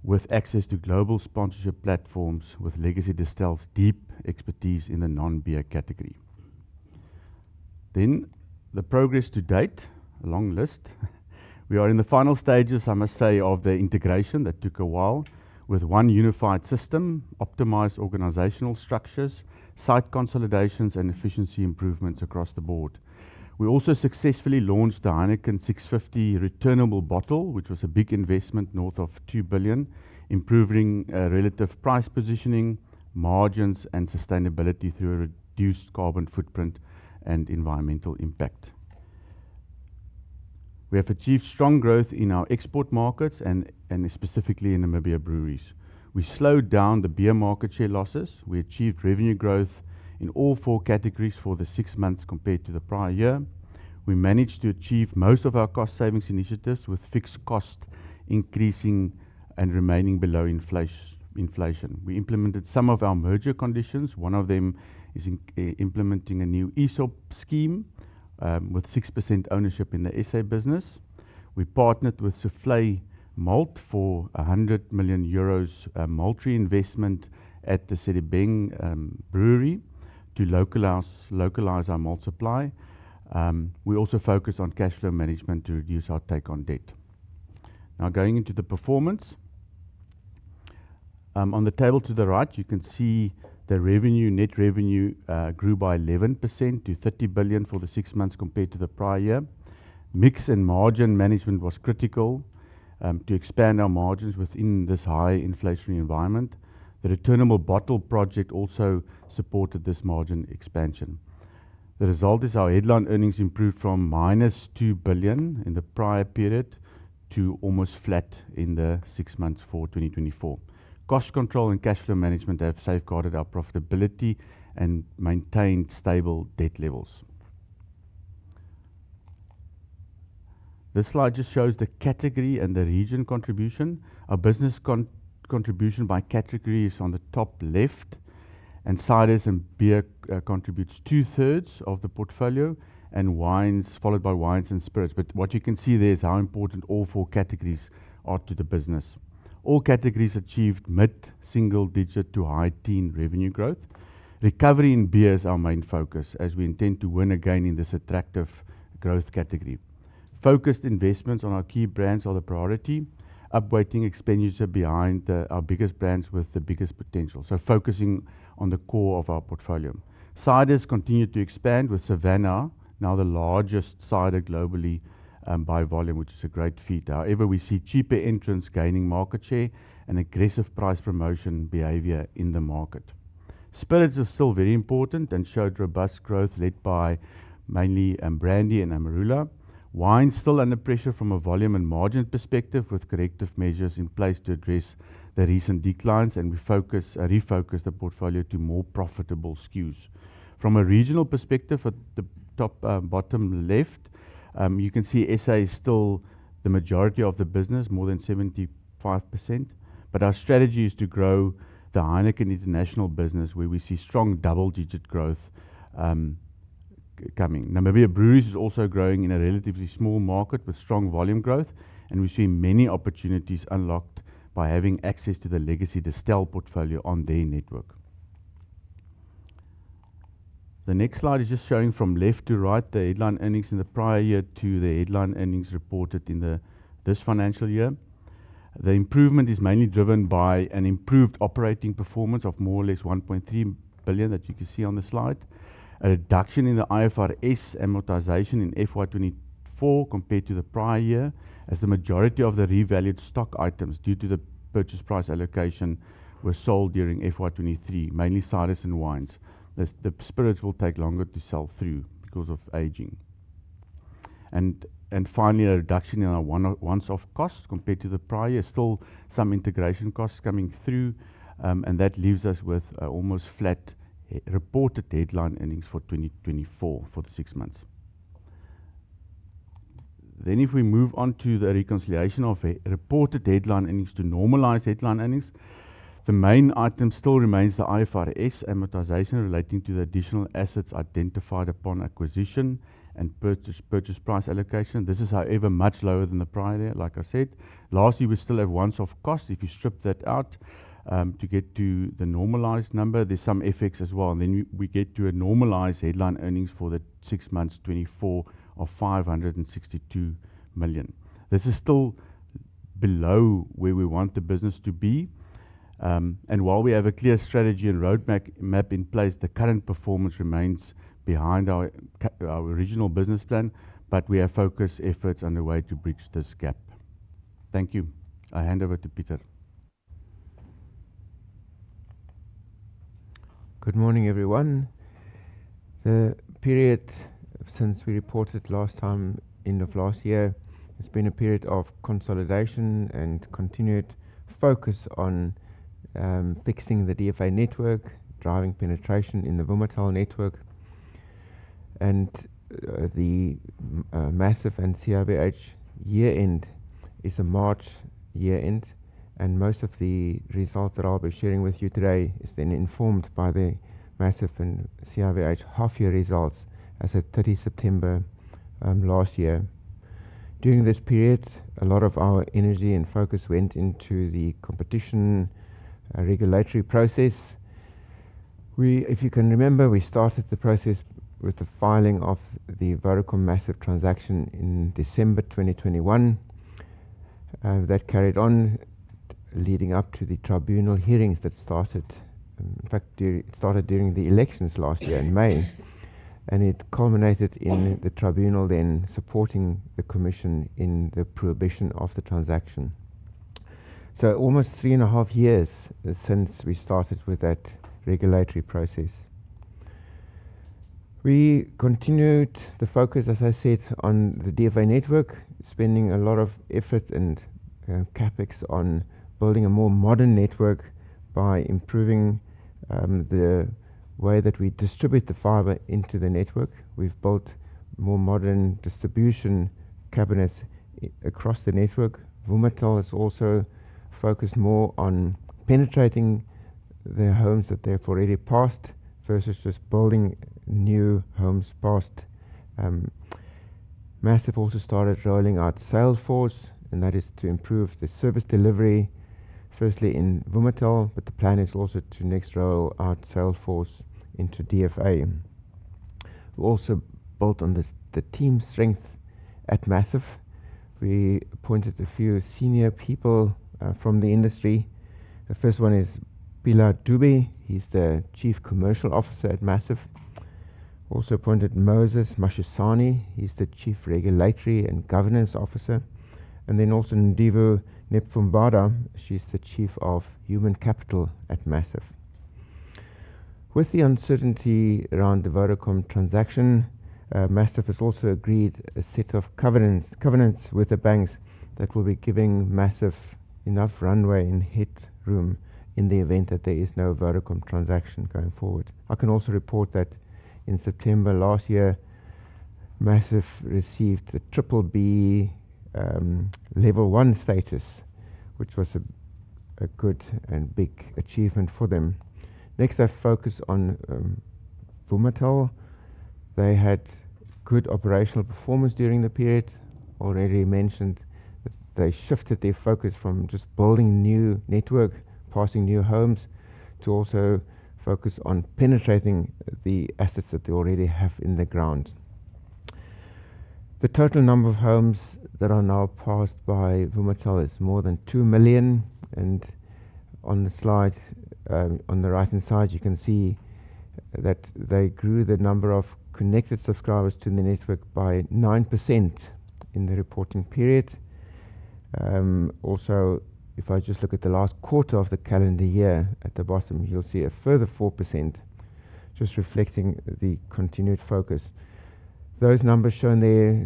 with access to global sponsorship platforms with legacy Distell's deep expertise in the non-beer category. The progress to date, a long list. We are in the final stages, I must say, of the integration. That took a while with one unified system, optimized organizational structures, site consolidations, and efficiency improvements across the board. We also successfully launched the Heineken 650 returnable bottle, which was a big investment north of 2 billion, improving relative price positioning, margins, and sustainability through a reduced carbon footprint and environmental impact. We have achieved strong growth in our export markets and specifically in Namibia Breweries. We slowed down the beer market share losses. We achieved revenue growth in all four categories for the six months compared to the prior year. We managed to achieve most of our cost savings initiatives with fixed costs increasing and remaining below inflation. We implemented some of our merger conditions. One of them is implementing a new ESOP scheme with 6% ownership in the SA business. We partnered with Soufflet Malt for 100 million euros Maltree investment at the Sidi Beng Brewery to localize our malt supply. We also focus on cash flow management to reduce our take on debt. Now going into the performance, on the table to the right, you can see the revenue, net revenue grew by 11% to 30 billion for the six months compared to the prior year. Mix and margin management was critical to expand our margins within this high inflationary environment. The returnable bottle project also supported this margin expansion. The result is our headline earnings improved from minus 2 billion in the prior period to almost flat in the six months for 2024. Cost control and cash flow management have safeguarded our profitability and maintained stable debt levels. This slide just shows the category and the region contribution. Our business contribution by category is on the top left, and ciders and beer contributes two-thirds of the portfolio, followed by wines and spirits. What you can see there is how important all four categories are to the business. All categories achieved mid-single digit to high teen revenue growth. Recovery in beer is our main focus as we intend to win again in this attractive growth category. Focused investments on our key brands are the priority, upweighting expenditure behind our biggest brands with the biggest potential. Focusing on the core of our portfolio. Ciders continue to expand with Savannah, now the largest cider globally by volume, which is a great feat. However, we see cheaper entrants gaining market share and aggressive price promotion behavior in the market. Spirits are still very important and showed robust growth led by mainly Brandy and Amarula. Wine is still under pressure from a volume and margin perspective with corrective measures in place to address the recent declines, and we refocused the portfolio to more profitable SKUs. From a regional perspective, at the top bottom left, you can see SA is still the majority of the business, more than 75%, but our strategy is to grow the Heineken international business, where we see strong double-digit growth coming. Namibia Breweries is also growing in a relatively small market with strong volume growth, and we see many opportunities unlocked by having access to the legacy Distell portfolio on their network. The next slide is just showing from left to right the headline earnings in the prior year to the headline earnings reported in this financial year. The improvement is mainly driven by an improved operating performance of more or less 1.3 billion that you can see on the slide, a reduction in the IFRS amortization in FY 2024 compared to the prior year, as the majority of the revalued stock items due to the purchase price allocation were sold during FY 2023, mainly ciders and wines. The spirits will take longer to sell through because of aging. Finally, a reduction in our one-off costs compared to the prior, still some integration costs coming through, and that leaves us with almost flat reported headline earnings for 2024 for the six months. If we move on to the reconciliation of reported headline earnings to normalize headline earnings, the main item still remains the IFRS amortization relating to the additional assets identified upon acquisition and purchase price allocation. This is, however, much lower than the prior year, like I said. Lastly, we still have one-off costs. If you strip that out to get to the normalized number, there's some effects as well. We get to a normalized headline earnings for the six months 2024 of 562 million. This is still below where we want the business to be. While we have a clear strategy and roadmap in place, the current performance remains behind our original business plan, but we have focused efforts underway to bridge this gap. Thank you. I hand over to Pieter. Good morning, everyone. The period since we reported last time, end of last year, has been a period of consolidation and continued focus on fixing the DFA network, driving penetration in the Vumatel network. The MAZIV and CIVH year-end is a March year-end, and most of the results that I'll be sharing with you today are then informed by the MAZIV and CIVH half-year results as of 30 September last year. During this period, a lot of our energy and focus went into the competition regulatory process. If you can remember, we started the process with the filing of the Vodacom MAZIV transaction in December 2021. That carried on leading up to the tribunal hearings that started during the elections last year in May, and it culminated in the tribunal then supporting the commission in the prohibition of the transaction. Almost three and a half years since we started with that regulatory process. We continued the focus, as I said, on the DFA network, spending a lot of effort and CapEx on building a more modern network by improving the way that we distribute the fiber into the network. We've built more modern distribution cabinets across the network. Vumatel has also focused more on penetrating the homes that they've already passed versus just building new homes passed. MAZIV also started rolling out Salesforce, and that is to improve the service delivery, firstly in Vumatel, but the plan is also to next roll out Salesforce into DFA. We also built on the team strength at MAZIV. We appointed a few senior people from the industry. The first one is Phila Dube. He's the Chief Commercial Officer at MAZIV. Also appointed Moses Mashisane. He's the Chief Regulatory and Governance Officer. Then also Ndivhu Nepfumbada. She's the Chief Human Capital Officer at MAZIV. With the uncertainty around the Vodacom transaction, MAZIV has also agreed a set of covenants with the banks that will be giving MAZIV enough runway and headroom in the event that there is no Vodacom transaction going forward. I can also report that in September last year, MAZIV received the BBB level one status, which was a good and big achievement for them. Next, I focus on Vumatel. They had good operational performance during the period. I already mentioned that they shifted their focus from just building new network, passing new homes, to also focus on penetrating the assets that they already have in the ground. The total number of homes that are now passed by Vumatel is more than 2 million. On the slide on the right-hand side, you can see that they grew the number of connected subscribers to the network by 9% in the reporting period. Also, if I just look at the last quarter of the calendar year at the bottom, you'll see a further 4%, just reflecting the continued focus. Those numbers shown there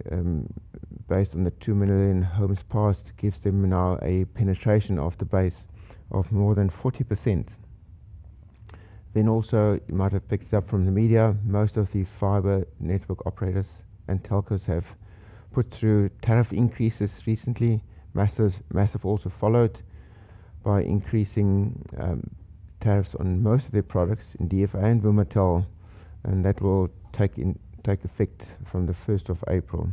based on the 2 million homes passed gives them now a penetration of the base of more than 40%. You might have picked up from the media, most of the fiber network operators and telcos have put through tariff increases recently. MAZIV also followed by increasing tariffs on most of their products in DFA and Vumatel, and that will take effect from the 1st of April.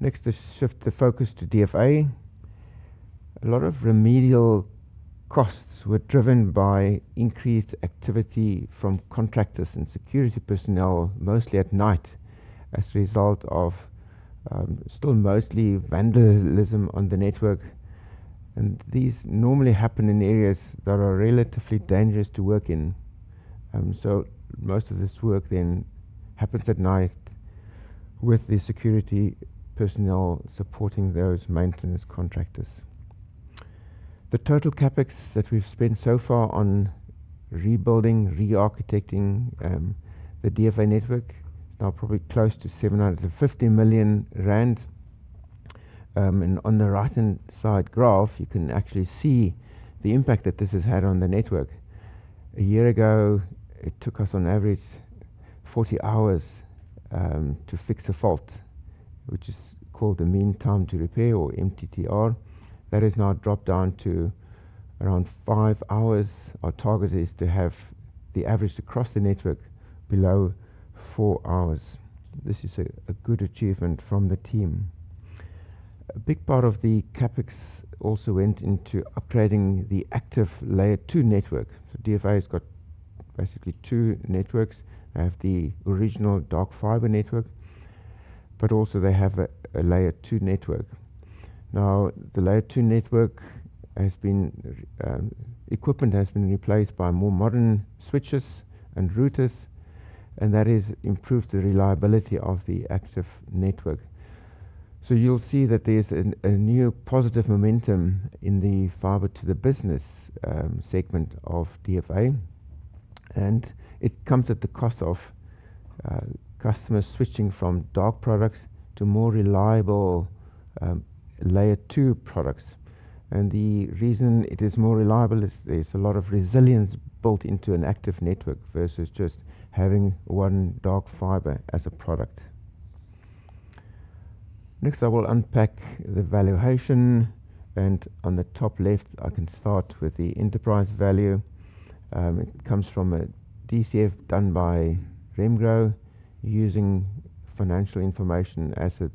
Next, to shift the focus to DFA, a lot of remedial costs were driven by increased activity from contractors and security personnel, mostly at night, as a result of still mostly vandalism on the network. These normally happen in areas that are relatively dangerous to work in. Most of this work then happens at night with the security personnel supporting those maintenance contractors. The total CapEx that we've spent so far on rebuilding, re-architecting the DFA network is now probably close to 750 million rand. On the right-hand side graph, you can actually see the impact that this has had on the network. A year ago, it took us on average 40 hours to fix a fault, which is called the mean time to repair or MTTR. That has now dropped down to around five hours. Our target is to have the average across the network below four hours. This is a good achievement from the team. A big part of the CapEx also went into upgrading the active layer two network. DFA has got basically two networks. They have the original dark fiber network, but also they have a layer two network. Now, the layer two network equipment has been replaced by more modern switches and routers, and that has improved the reliability of the active network. You will see that there is a new positive momentum in the fiber to the business segment of DFA, and it comes at the cost of customers switching from dark products to more reliable layer two products. The reason it is more reliable is there is a lot of resilience built into an active network versus just having one dark fiber as a product. Next, I will unpack the valuation, and on the top left, I can start with the enterprise value. It comes from a DCF done by Remgro using financial information as of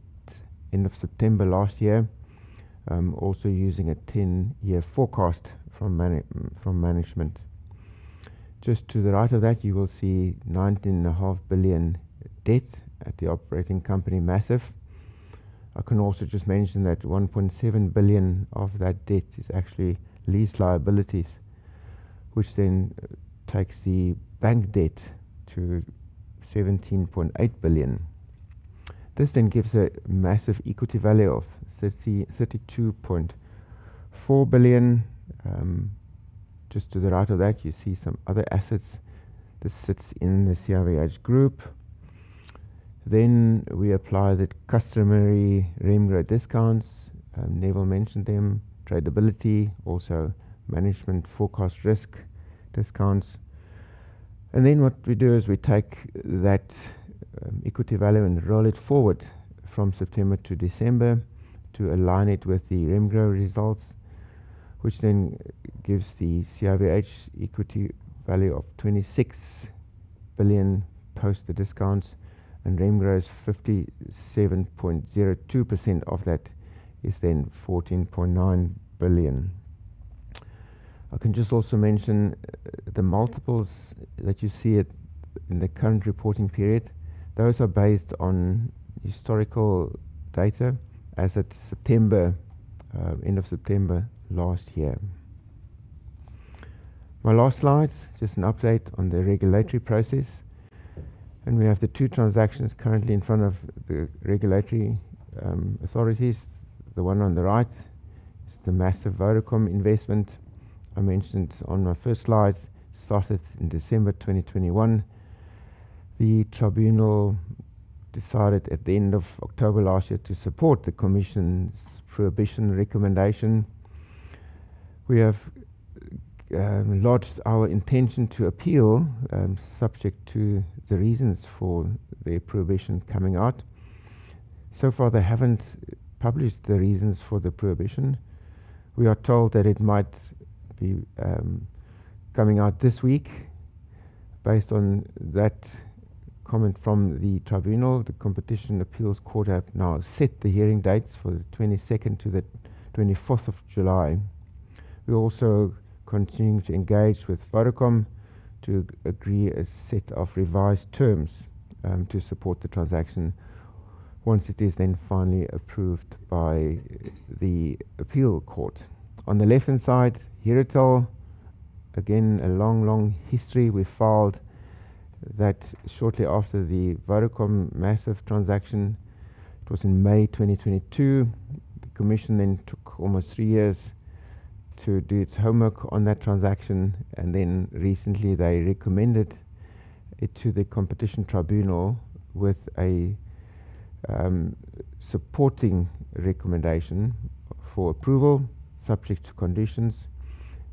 end of September last year, also using a 10-year forecast from management. Just to the right of that, you will see 19.5 billion debt at the operating company MAZIV. I can also just mention that 1.7 billion of that debt is actually lease liabilities, which then takes the bank debt to 17.8 billion. This then gives a massive equity value of 32.4 billion. Just to the right of that, you see some other assets. This sits in the CIVH group. We apply the customary Remgro discounts. Neville mentioned them, tradability, also management forecast risk discounts. What we do is we take that equity value and roll it forward from September to December to align it with the Remgro results, which then gives the CIVH equity value of 26 billion post the discounts, and Remgro's 57.02% of that is then 14.9 billion. I can just also mention the multiples that you see in the current reporting period. Those are based on historical data as of end of September last year. My last slide, just an update on the regulatory process. We have the two transactions currently in front of the regulatory authorities. The one on the right is the MAZIV Vodacom investment I mentioned on my first slide. It started in December 2021. The tribunal decided at the end of October last year to support the commission's prohibition recommendation. We have lodged our intention to appeal, subject to the reasons for the prohibition coming out. So far, they have not published the reasons for the prohibition. We are told that it might be coming out this week. Based on that comment from the tribunal, the competition appeals court have now set the hearing dates for the 22nd to the 24th of July. We also continue to engage with Vodacom to agree a set of revised terms to support the transaction once it is then finally approved by the appeal court. On the left-hand side, Herotel. Again, a long, long history. We filed that shortly after the Vodacom-MAZIV transaction. It was in May 2022. The commission then took almost three years to do its homework on that transaction, and then recently they recommended it to the competition tribunal with a supporting recommendation for approval, subject to conditions.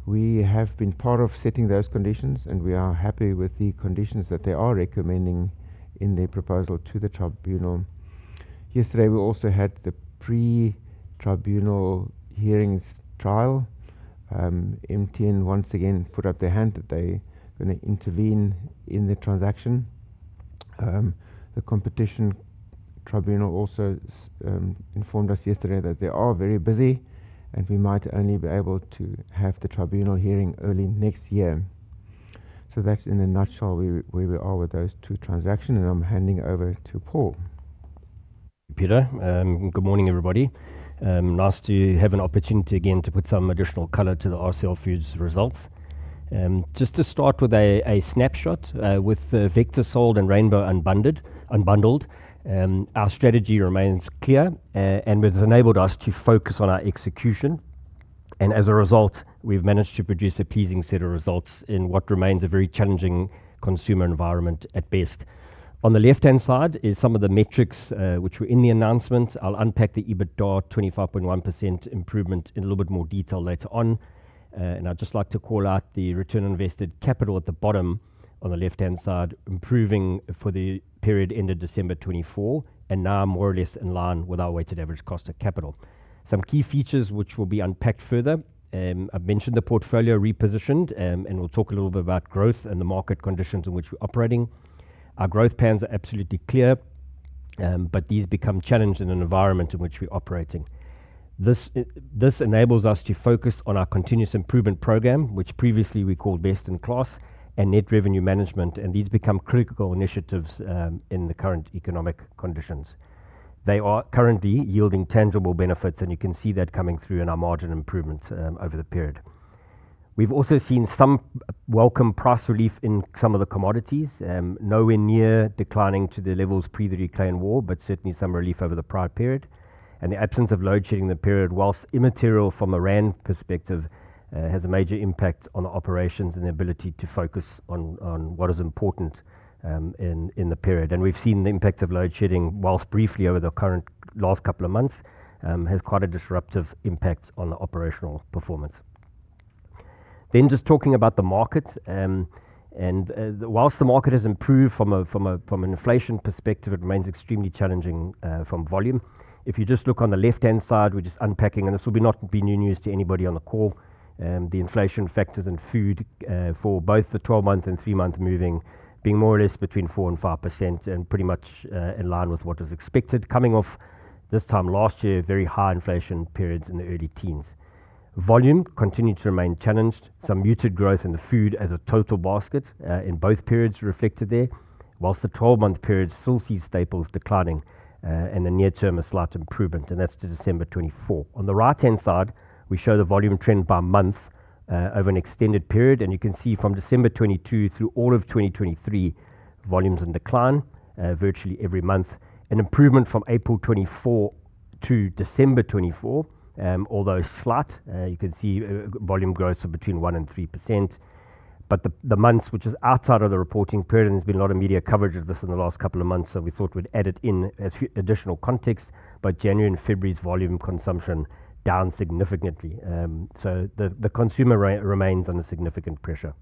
We have been part of setting those conditions, and we are happy with the conditions that they are recommending in their proposal to the tribunal. Yesterday, we also had the pre-tribunal hearings trial. MTN once again put up their hand that they're going to intervene in the transaction. The competition tribunal also informed us yesterday that they are very busy, and we might only be able to have the tribunal hearing early next year. That is in a nutshell where we are with those two transactions, and I'm handing over to Paul. Peter, good morning, everybody. Nice to have an opportunity again to put some additional color to the RCL Foods results. Just to start with a snapshot, with the vectors sold and Rainbow unbundled, our strategy remains clear, and it has enabled us to focus on our execution. As a result, we've managed to produce a pleasing set of results in what remains a very challenging consumer environment at best. On the left-hand side is some of the metrics which were in the announcement. I'll unpack the EBITDA 25.1% improvement in a little bit more detail later on. I'd just like to call out the return on invested capital at the bottom on the left-hand side, improving for the period ended December 2024, and now more or less in line with our weighted average cost of capital. Some key features which will be unpacked further. I've mentioned the portfolio repositioned, and we'll talk a little bit about growth and the market conditions in which we're operating. Our growth plans are absolutely clear, but these become challenged in an environment in which we're operating. This enables us to focus on our continuous improvement program, which previously we called best in class, and net revenue management, and these become critical initiatives in the current economic conditions. They are currently yielding tangible benefits, and you can see that coming through in our margin improvements over the period. We've also seen some welcome price relief in some of the commodities, nowhere near declining to the levels pre the Ukraine war, but certainly some relief over the prior period. The absence of load shedding in the period, whilst immaterial from a rand perspective, has a major impact on operations and the ability to focus on what is important in the period. We have seen the impact of load shedding, whilst briefly over the current last couple of months, has quite a disruptive impact on the operational performance. Just talking about the market, whilst the market has improved from an inflation perspective, it remains extremely challenging from volume. If you just look on the left-hand side, we are just unpacking, and this will not be new news to anybody on the call. The inflation factors in food for both the 12-month and 3-month moving being more or less between 4-5% and pretty much in line with what was expected, coming off this time last year, very high inflation periods in the early teens. Volume continued to remain challenged. Some muted growth in the food as a total basket in both periods reflected there, whilst the 12-month period still sees staples declining in the near term a slight improvement, and that is to December 2024. On the right-hand side, we show the volume trend by month over an extended period, and you can see from December 2022 through all of 2023, volumes in decline virtually every month, an improvement from April 2024 to December 2024, although slight. You can see volume growth of between 1-3%, but the months which is outside of the reporting period, and there has been a lot of media coverage of this in the last couple of months, so we thought we would add it in as additional context, but January and February's volume consumption down significantly. The consumer remains under significant pressure.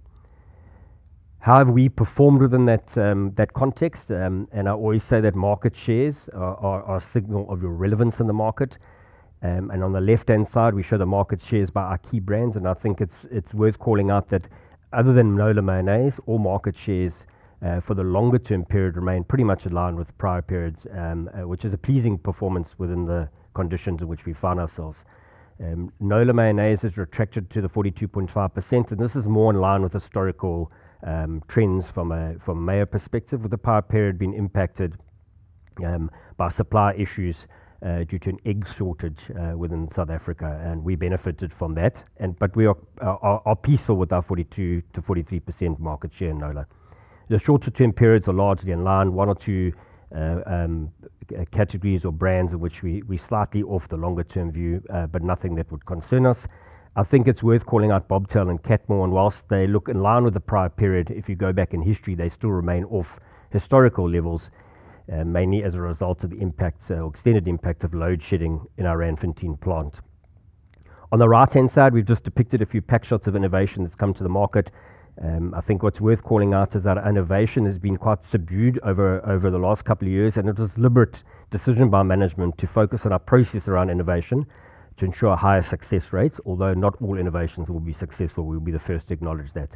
How have we performed within that context? I always say that market shares are a signal of your relevance in the market. On the left-hand side, we show the market shares by our key brands, and I think it is worth calling out that other than Nola Mayonnaise, all market shares for the longer-term period remain pretty much aligned with prior periods, which is a pleasing performance within the conditions in which we find ourselves. Nola Mayonnaise has retracted to 42.5%, and this is more in line with historical trends from a mayo perspective, with the prior period being impacted by supply issues due to an egg shortage within South Africa, and we benefited from that. We are peaceful with our 42-43% market share in Nola. The shorter-term periods are largely in line, one or two categories or brands in which we slightly off the longer-term view, but nothing that would concern us. I think it's worth calling out Bobtel and Catmore, and whilst they look in line with the prior period, if you go back in history, they still remain off historical levels, mainly as a result of the impact or extended impact of load shedding in our Rand Fentanyl plant. On the right-hand side, we've just depicted a few pack shots of innovation that's come to the market. I think what's worth calling out is that our innovation has been quite subdued over the last couple of years, and it was a deliberate decision by management to focus on our process around innovation to ensure higher success rates, although not all innovations will be successful. We will be the first to acknowledge that.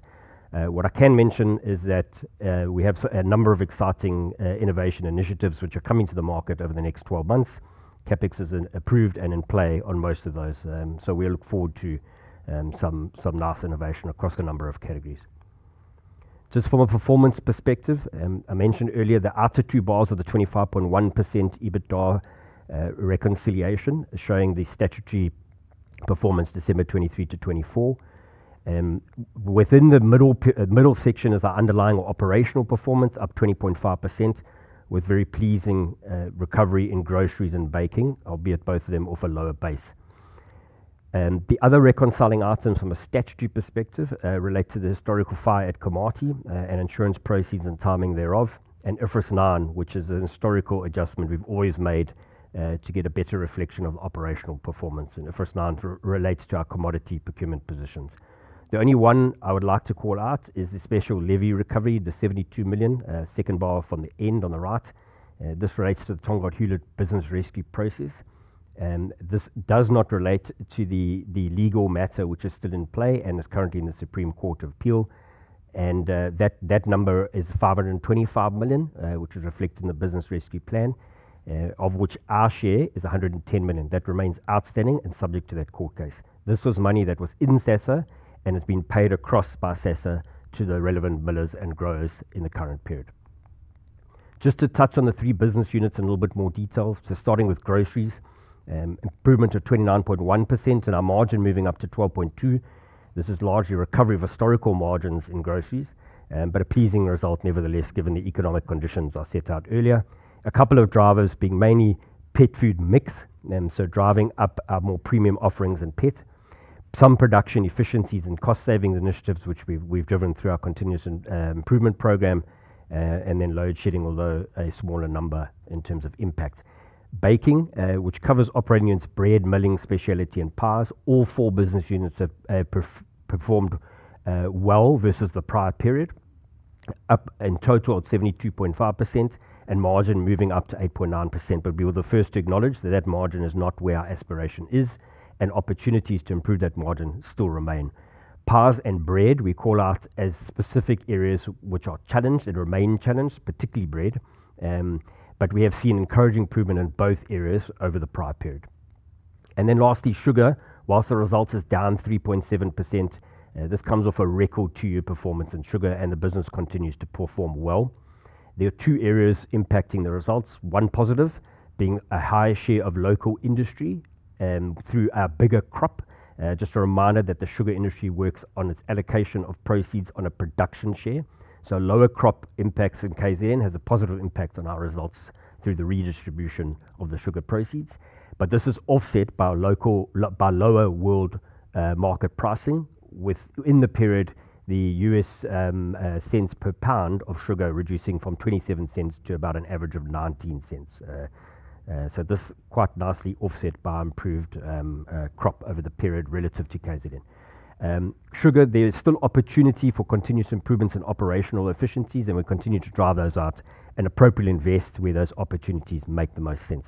What I can mention is that we have a number of exciting innovation initiatives which are coming to the market over the next 12 months. CapEx is approved and in play on most of those, so we look forward to some nice innovation across a number of categories. Just from a performance perspective, I mentioned earlier the ATA two bars of the 25.1% EBITDA reconciliation is showing the statutory performance December 2023 to 2024. Within the middle section is our underlying operational performance, up 20.5%, with very pleasing recovery in groceries and baking, albeit both of them off a lower base. The other reconciling items from a statutory perspective relate to the historical fire at Kamarti and insurance proceeds and timing thereof, and IFRS 9, which is a historical adjustment we have always made to get a better reflection of operational performance. IFRS 9 relates to our commodity procurement positions. The only one I would like to call out is the special levy recovery, the 72 million, second bar from the end on the right. This relates to the Tongaat Hulett business rescue process. This does not relate to the legal matter which is still in play and is currently in the Supreme Court of Appeal. That number is 525 million, which is reflected in the business rescue plan, of which our share is 110 million. That remains outstanding and subject to that court case. This was money that was in SASA and has been paid across by SASA to the relevant millers and growers in the current period. Just to touch on the three business units in a little bit more detail, starting with groceries, improvement of 29.1% and our margin moving up to 12.2%. This is largely recovery of historical margins in groceries, but a pleasing result nevertheless, given the economic conditions I set out earlier. A couple of drivers being mainly pet food mix, so driving up our more premium offerings and pet. Some production efficiencies and cost savings initiatives which we've driven through our continuous improvement program, and then load shedding, although a smaller number in terms of impact. Baking, which covers operating units bread, milling, specialty, and pies. All four business units have performed well versus the prior period, up in total at 72.5% and margin moving up to 8.9%. We were the first to acknowledge that that margin is not where our aspiration is, and opportunities to improve that margin still remain. Pies and bread, we call out as specific areas which are challenged and remain challenged, particularly bread, but we have seen encouraging improvement in both areas over the prior period. Lastly, sugar, whilst the result is down 3.7%, this comes off a record two-year performance in sugar, and the business continues to perform well. There are two areas impacting the results, one positive being a high share of local industry through our bigger crop. Just a reminder that the sugar industry works on its allocation of proceeds on a production share, so lower crop impacts in KZN has a positive impact on our results through the redistribution of the sugar proceeds. This is offset by lower world market pricing, with in the period, the US cents per pound of sugar reducing from $0.27 to about an average of 1$0.19. This is quite nicely offset by improved crop over the period relative to KZN. Sugar, there is still opportunity for continuous improvements and operational efficiencies, and we continue to drive those out and appropriately invest where those opportunities make the most sense.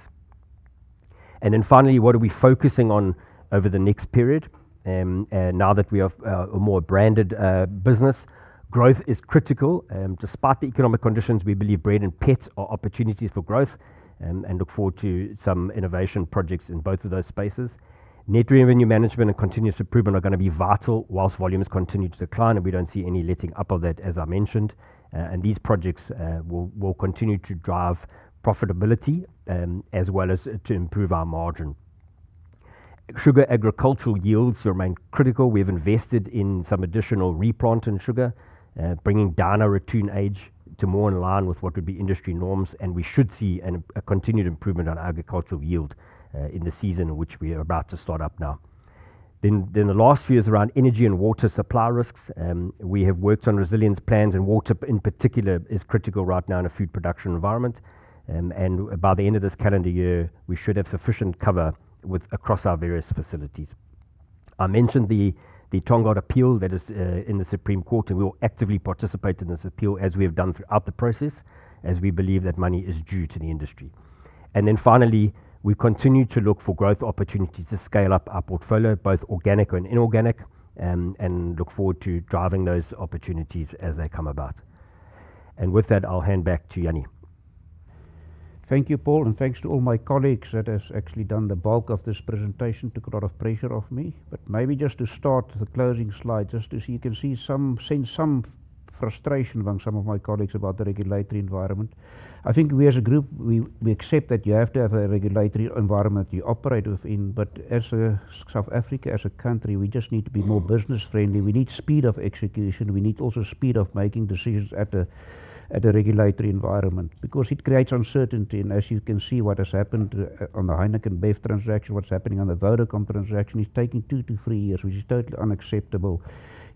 Finally, what are we focusing on over the next period? Now that we have a more branded business, growth is critical. Despite the economic conditions, we believe bread and pets are opportunities for growth and look forward to some innovation projects in both of those spaces. Net revenue management and continuous improvement are going to be vital whilst volumes continue to decline, and we do not see any letting up of that, as I mentioned. These projects will continue to drive profitability as well as to improve our margin. Sugar agricultural yields remain critical. We have invested in some additional replant in sugar, bringing down our return age to more in line with what would be industry norms, and we should see a continued improvement on agricultural yield in the season in which we are about to start up now. The last few is around energy and water supply risks. We have worked on resilience plans, and water in particular is critical right now in a food production environment. By the end of this calendar year, we should have sufficient cover across our various facilities. I mentioned the Tongaat appeal that is in the Supreme Court, and we will actively participate in this appeal as we have done throughout the process, as we believe that money is due to the industry. Finally, we continue to look for growth opportunities to scale up our portfolio, both organic and inorganic, and look forward to driving those opportunities as they come about. With that, I'll hand back to Jannie. Thank you, Paul, and thanks to all my colleagues that have actually done the bulk of this presentation, took a lot of pressure off me. Maybe just to start the closing slide, just to see, you can see some frustration among some of my colleagues about the regulatory environment. I think we as a group, we accept that you have to have a regulatory environment you operate within. As South Africa, as a country, we just need to be more business-friendly. We need speed of execution. We need also speed of making decisions at a regulatory environment because it creates uncertainty. As you can see, what has happened on the Heineken Beverages transaction, what's happening on the Vodacom transaction is taking two to three years, which is totally unacceptable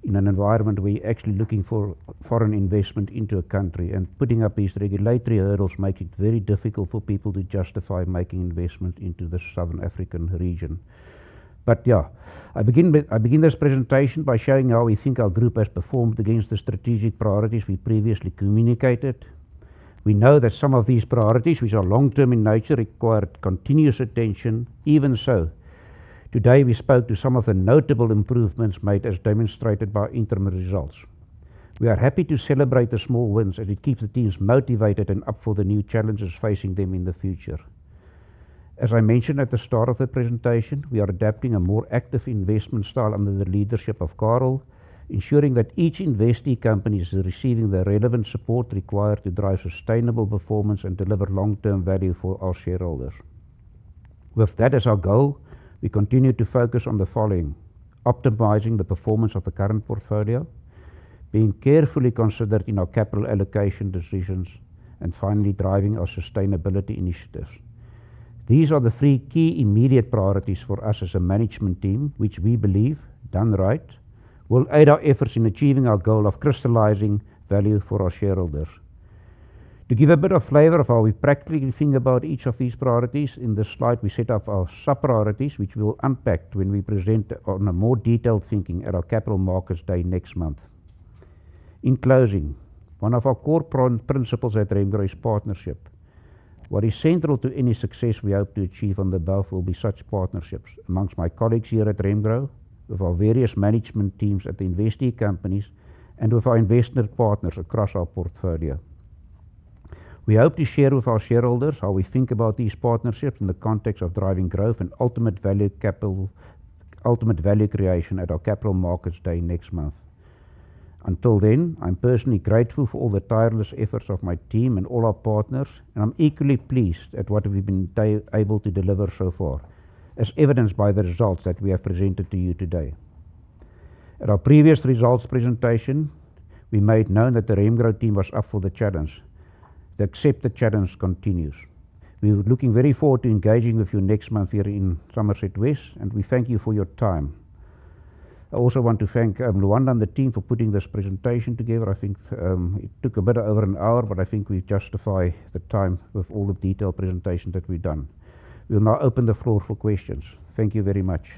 in an environment where you're actually looking for foreign investment into a country. Putting up these regulatory hurdles makes it very difficult for people to justify making investment into the Southern African region. I begin this presentation by showing how we think our group has performed against the strategic priorities we previously communicated. We know that some of these priorities, which are long-term in nature, require continuous attention. Even so, today we spoke to some of the notable improvements made as demonstrated by interim results. We are happy to celebrate the small wins, as it keeps the teams motivated and up for the new challenges facing them in the future. As I mentioned at the start of the presentation, we are adapting a more active investment style under the leadership of Carel, ensuring that each investee company is receiving the relevant support required to drive sustainable performance and deliver long-term value for our shareholders. With that as our goal, we continue to focus on the following: optimizing the performance of the current portfolio, being carefully considered in our capital allocation decisions, and finally driving our sustainability initiatives. These are the three key immediate priorities for us as a management team, which we believe, done right, will aid our efforts in achieving our goal of crystalizing value for our shareholders. To give a bit of flavor of how we practically think about each of these priorities, in this slide we set up our sub-priorities, which we will unpack when we present on a more detailed thinking at our capital markets day next month. In closing, one of our core principles at Remgro is partnership. What is central to any success we hope to achieve on the BAF will be such partnerships amongst my colleagues here at Remgro, with our various management teams at the investee companies, and with our investment partners across our portfolio. We hope to share with our shareholders how we think about these partnerships in the context of driving growth and ultimate value creation at our capital markets day next month. Until then, I'm personally grateful for all the tireless efforts of my team and all our partners, and I'm equally pleased at what we've been able to deliver so far, as evidenced by the results that we have presented to you today. At our previous results presentation, we made known that the Remgro team was up for the challenge. The accepted challenge continues. We are looking very forward to engaging with you next month here in Somerset West, and we thank you for your time. I also want to thank Lwanda and the team for putting this presentation together. I think it took a bit over an hour, but I think we justify the time with all the detailed presentations that we've done. We'll now open the floor for questions. Thank you very much.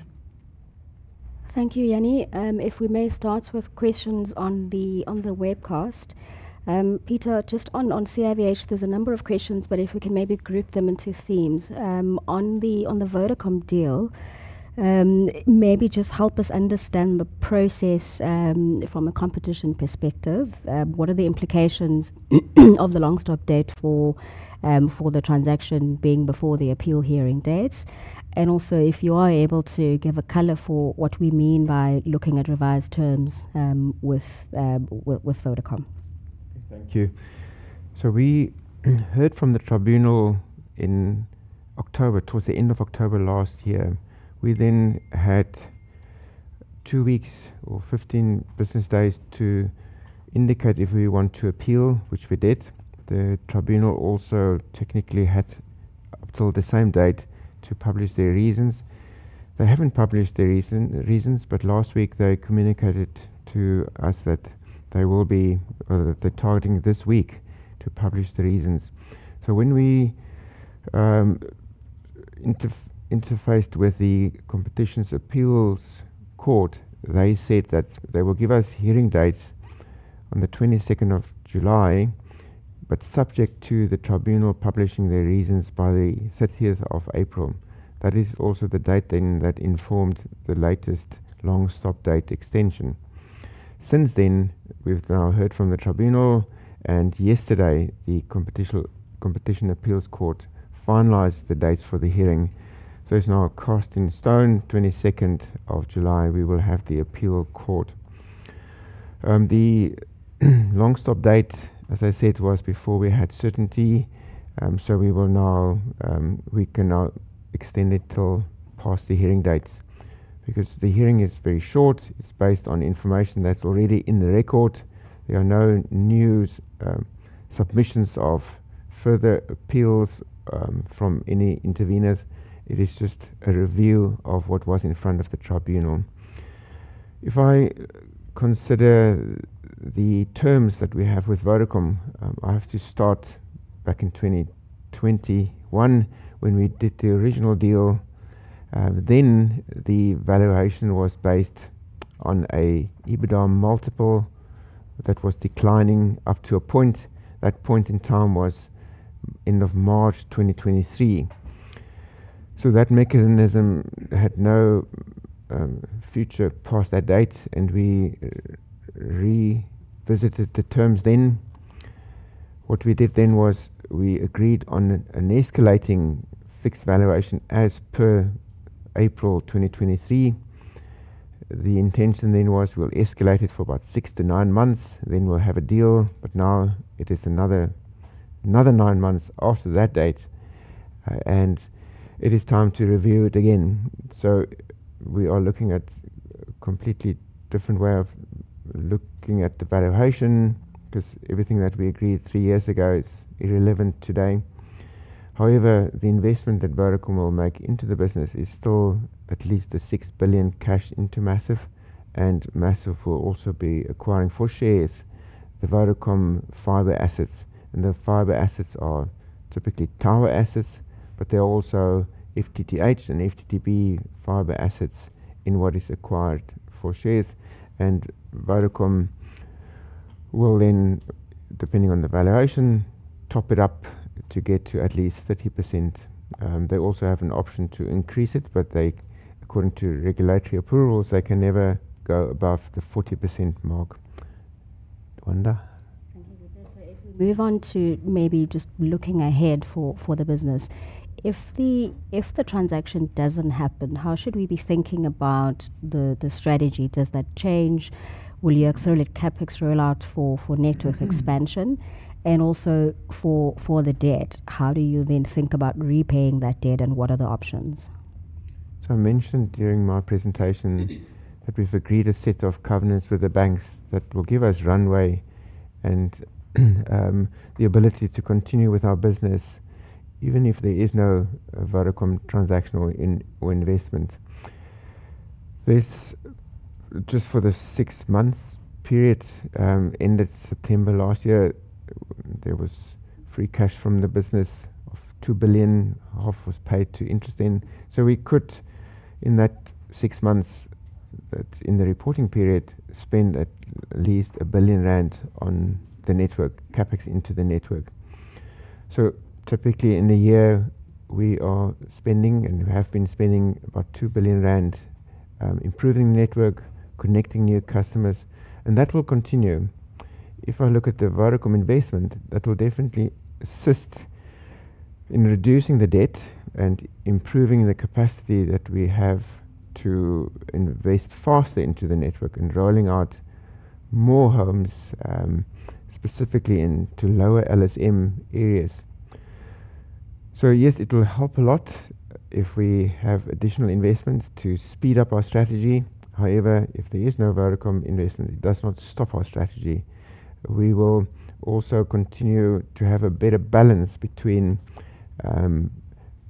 Thank you, Jannie. If we may start with questions on the webcast. Pieter, just on CIVH, there's a number of questions, but if we can maybe group them into themes. On the Vodacom deal, maybe just help us understand the process from a competition perspective. What are the implications of the long stop date for the transaction being before the appeal hearing dates? Also, if you are able to give a color for what we mean by looking at revised terms with Vodacom. Thank you. We heard from the tribunal in October, towards the end of October last year. We then had two weeks or 15 business days to indicate if we want to appeal, which we did. The tribunal also technically had until the same date to publish their reasons. They haven't published their reasons, but last week they communicated to us that they will be targeting this week to publish the reasons. When we interfaced with the competition appeals court, they said that they will give us hearing dates on the 22nd of July, but subject to the tribunal publishing their reasons by the 30th of April. That is also the date then that informed the latest long stop date extension. Since then, we've now heard from the tribunal, and yesterday the competition appeals court finalized the dates for the hearing. It is now cast in stone, 22nd of July, we will have the appeal court. The long stop date, as I said, was before we had certainty, so we can now extend it till past the hearing dates because the hearing is very short. It is based on information that is already in the record. There are no new submissions or further appeals from any interveners. It is just a review of what was in front of the tribunal. If I consider the terms that we have with Vodacom, I have to start back in 2021 when we did the original deal. Then the valuation was based on an EBITDA multiple that was declining up to a point. That point in time was end of March 2023. That mechanism had no future past that date, and we revisited the terms then. What we did then was we agreed on an escalating fixed valuation as per April 2023. The intention then was we would escalate it for about six to nine months, then we would have a deal. Now it is another nine months after that date, and it is time to review it again. We are looking at a completely different way of looking at the valuation because everything that we agreed three years ago is irrelevant today. However, the investment that Vodacom will make into the business is still at least 6 billion cash into MAZIV, and MAZIV will also be acquiring for shares the Vodacom fiber assets. The fiber assets are typically tower assets, but they are also FTTH and FTTB fiber assets in what is acquired for shares. Vodacom will then, depending on the valuation, top it up to get to at least 30%. They also have an option to increase it, but according to regulatory approvals, they can never go above the 40% mark. Lwanda? Thank you, Pieter. If we move on to maybe just looking ahead for the business, if the transaction does not happen, how should we be thinking about the strategy? Does that change? Will you accelerate CapEx rollout for network expansion? Also for the debt, how do you then think about repaying that debt, and what are the options? I mentioned during my presentation that we've agreed a set of covenants with the banks that will give us runway and the ability to continue with our business even if there is no Vodacom transactional investment. For the six-month period ended September last year, there was free cash from the business of 2 billion. Half was paid to interest then. In that six months that is in the reporting period, we could spend at least 1 billion rand on the network, CapEx into the network. Typically, in a year, we are spending and have been spending about 2 billion rand improving the network, connecting new customers, and that will continue. If I look at the Vodacom investment, that will definitely assist in reducing the debt and improving the capacity that we have to invest faster into the network and rolling out more homes, specifically into lower LSM areas. Yes, it will help a lot if we have additional investments to speed up our strategy. However, if there is no Vodacom investment, it does not stop our strategy. We will also continue to have a better balance between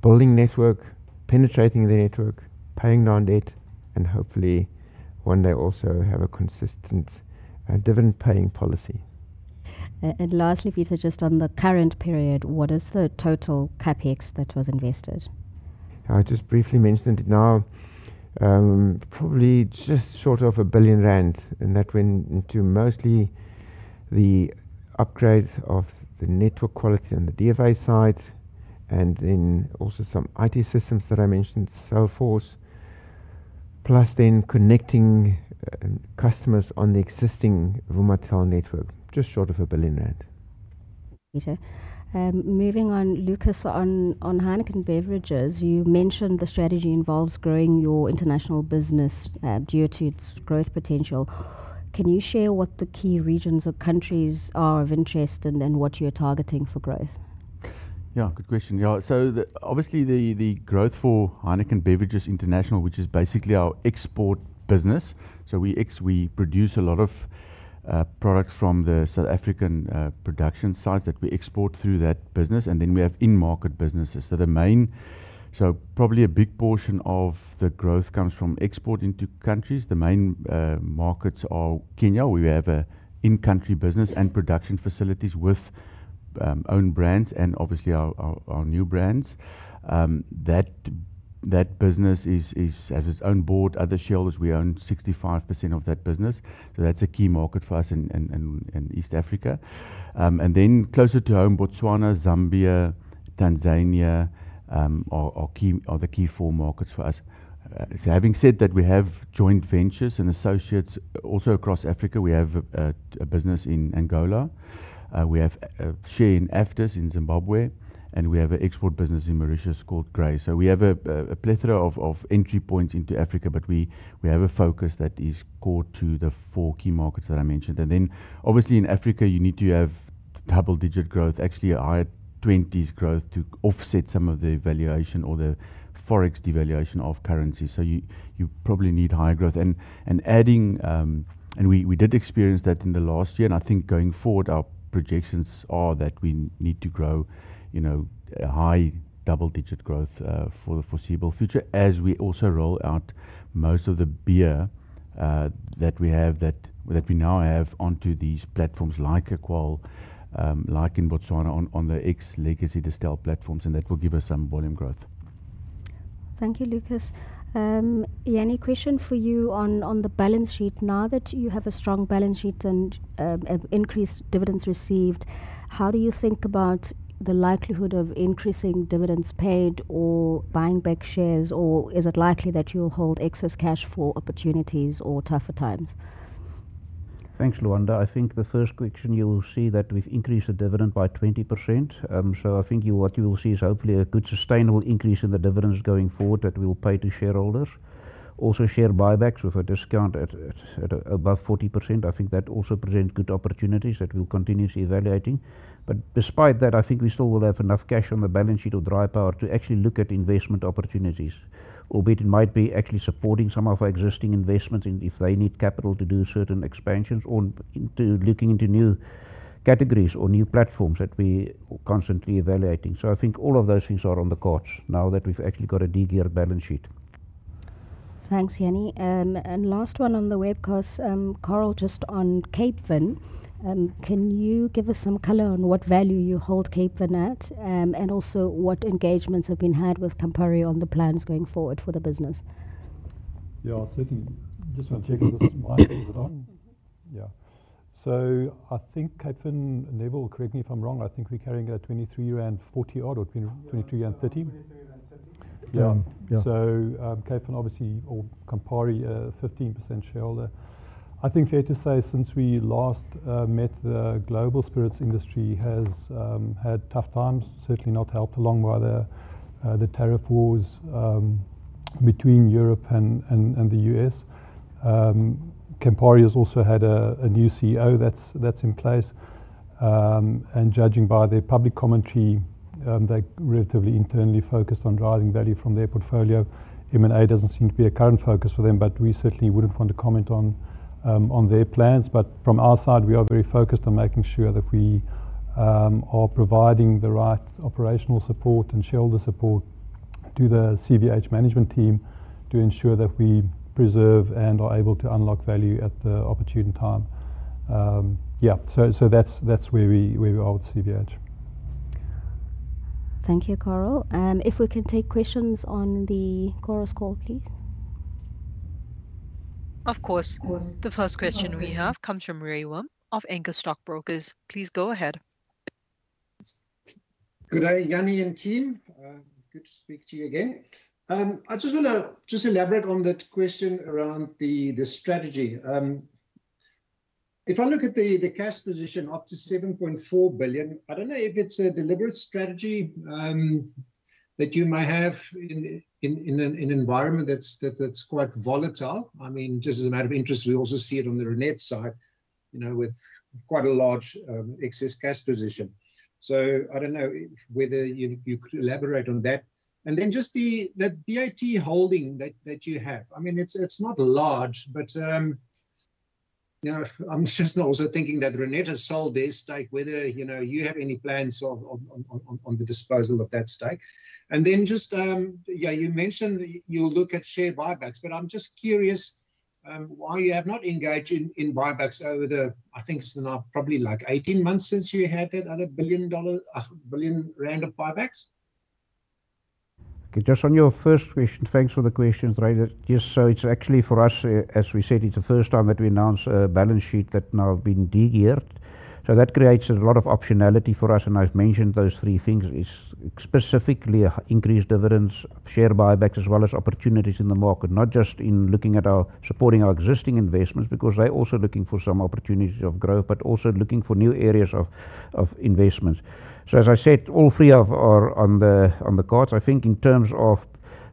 building network, penetrating the network, paying down debt, and hopefully one day also have a consistent dividend-paying policy. Lastly, Pieter, just on the current period, what is the total CapEx that was invested? I just briefly mentioned it now, probably just short of 1 billion rand, and that went into mostly the upgrade of the network quality on the DFA side and then also some IT systems that I mentioned, Sellforce, plus then connecting customers on the existing Vumatel network, just short of ZAR 1 billion. Pieter. Moving on, Lucas, on Heineken Beverages, you mentioned the strategy involves growing your international business due to its growth potential. Can you share what the key regions or countries are of interest and what you're targeting for growth? Yeah, good question. Yeah. Obviously, the growth for Heineken Beverages international, which is basically our export business. We produce a lot of products from the South African production sites that we export through that business, and then we have in-market businesses. Probably a big portion of the growth comes from export into countries. The main markets are Kenya, where we have an in-country business and production facilities with own brands and obviously our new brands. That business has its own board, other shells. We own 65% of that business. That is a key market for us in East Africa. Closer to home, Botswana, Zambia, Tanzania are the key four markets for us. Having said that, we have joint ventures and associates also across Africa. We have a business in Angola. We have a share in Aftos in Zimbabwe, and we have an export business in Mauritius called Gray. We have a plethora of entry points into Africa, but we have a focus that is core to the four key markets that I mentioned. Obviously, in Africa, you need to have double-digit growth, actually a higher 20% growth to offset some of the valuation or the forex devaluation of currency. You probably need higher growth. We did experience that in the last year, and I think going forward, our projections are that we need to grow high double-digit growth for the foreseeable future as we also roll out most of the beer that we now have onto these platforms like Equal, like in Botswana on the ex-Legacy Distell platforms, and that will give us some volume growth. Thank you, Lucas. Jannie, question for you on the balance sheet. Now that you have a strong balance sheet and increased dividends received, how do you think about the likelihood of increasing dividends paid or buying back shares, or is it likely that you'll hold excess cash for opportunities or tougher times? Thanks, Lwanda. I think the first question, you will see that we've increased the dividend by 20%. I think what you will see is hopefully a good sustainable increase in the dividends going forward that we'll pay to shareholders. Also, share buybacks with a discount above 40%. I think that also presents good opportunities that we'll continue to see evaluating. Despite that, I think we still will have enough cash on the balance sheet or dry powder to actually look at investment opportunities, albeit it might be actually supporting some of our existing investments if they need capital to do certain expansions or looking into new categories or new platforms that we are constantly evaluating. I think all of those things are on the cards now that we've actually got a de-geared balance sheet. Thanks, Jannie. Last one on the webcast, Carel, just on Capevin, can you give us some color on what value you hold Capevin at and also what engagements have been had with Campari on the plans going forward for the business? Yeah, certainly. Just want to check if this mic is on. Yeah. I think Capevin, Neville, correct me if I'm wrong, I think we're carrying at 23.40 odd or 23.30 rand. 23.30. Yeah. Capevin, obviously, or Campari, 15% shareholder. I think fair to say since we last met, the global spirits industry has had tough times. Certainly not helped along by the tariff wars between Europe and the U.S. Campari has also had a new CEO that's in place. Judging by their public commentary, they're relatively internally focused on driving value from their portfolio. M&A doesn't seem to be a current focus for them, but we certainly wouldn't want to comment on their plans. From our side, we are very focused on making sure that we are providing the right operational support and shareholder support to the CIVH management team to ensure that we preserve and are able to unlock value at the opportune time. Yeah. That is where we are with CIVH. Thank you, Carel. If we can take questions on the call, please. Of course. The first question we have comes from Rewam of Anchor Stock Brokers. Please go ahead. Good day, Jannie and team. Good to speak to you again. I just want to just elaborate on that question around the strategy. If I look at the cash position, up to 7.4 billion, I don't know if it's a deliberate strategy that you might have in an environment that's quite volatile. I mean, just as a matter of interest, we also see it on the Remgro side with quite a large excess cash position. I don't know whether you could elaborate on that. Then just that BIT holding that you have. I mean, it's not large, but I'm just also thinking that Remgro has sold their stake, whether you have any plans on the disposal of that stake. You mentioned you'll look at share buybacks, but I'm just curious why you have not engaged in buybacks over the, I think it's now probably like 18 months since you had that other ZAR 1 billion of buybacks? Just on your first question, thanks for the questions. Just so it's actually for us, as we said, it's the first time that we announce a balance sheet that now have been de-geared. That creates a lot of optionality for us. I've mentioned those three things is specifically increased dividends, share buybacks, as well as opportunities in the market, not just in looking at supporting our existing investments because they're also looking for some opportunities of growth, but also looking for new areas of investments. As I said, all three are on the cards. I think in terms of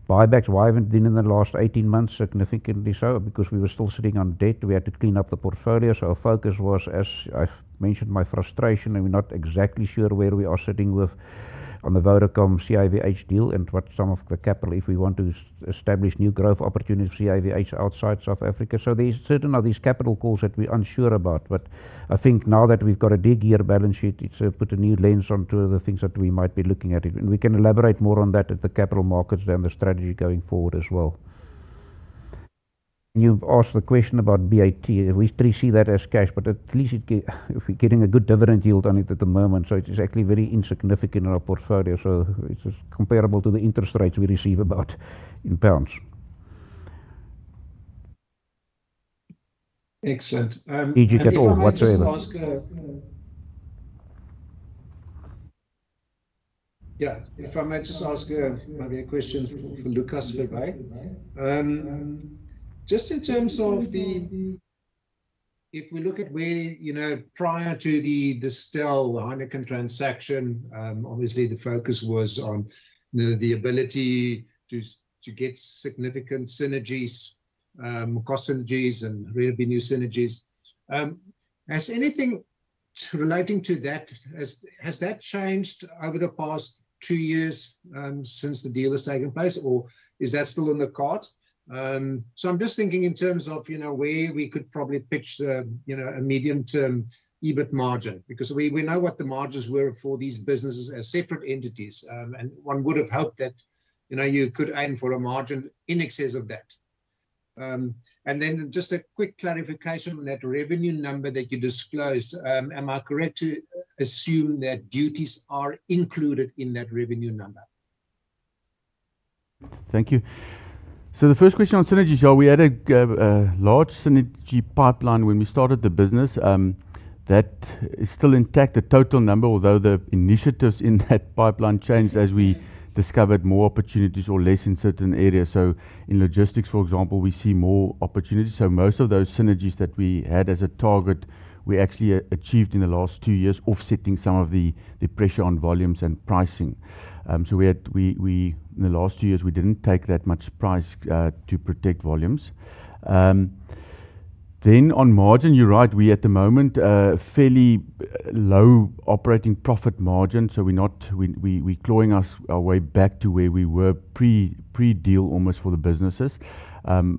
buybacks, why haven't been in the last 18 months significantly so? Because we were still sitting on debt. We had to clean up the portfolio. Our focus was, as I've mentioned, my frustration, and we're not exactly sure where we are sitting with on the Vodacom CIVH deal and what some of the capital, if we want to establish new growth opportunities for CIVH outside South Africa. There are certainly these capital calls that we're unsure about. I think now that we've got a D-gear balance sheet, it's put a new lens onto the things that we might be looking at. We can elaborate more on that at the capital markets and the strategy going forward as well. You've asked the question about BIT. We still see that as cash, but at least we're getting a good dividend yield on it at the moment. It's actually very insignificant in our portfolio. It's comparable to the interest rates we receive about in pounds. Excellent. Did you get all? What's your answer? Yeah. If I may just ask maybe a question for Lucas Verwey. Just in terms of the, if we look at where prior to the Distell Heineken transaction, obviously the focus was on the ability to get significant synergies, cost synergies, and really new synergies. Has anything relating to that, has that changed over the past two years since the deal has taken place, or is that still on the card? I am just thinking in terms of where we could probably pitch a medium-term EBIT margin because we know what the margins were for these businesses as separate entities. One would have hoped that you could aim for a margin in excess of that. Just a quick clarification on that revenue number that you disclosed, am I correct to assume that duties are included in that revenue number? Thank you. The first question on synergies, we had a large synergy pipeline when we started the business. That is still intact, the total number, although the initiatives in that pipeline changed as we discovered more opportunities or less in certain areas. In logistics, for example, we see more opportunities. Most of those synergies that we had as a target, we actually achieved in the last two years, offsetting some of the pressure on volumes and pricing. In the last two years, we did not take that much price to protect volumes. On margin, you are right, we at the moment, fairly low operating profit margin. We are clawing our way back to where we were pre-deal almost for the businesses.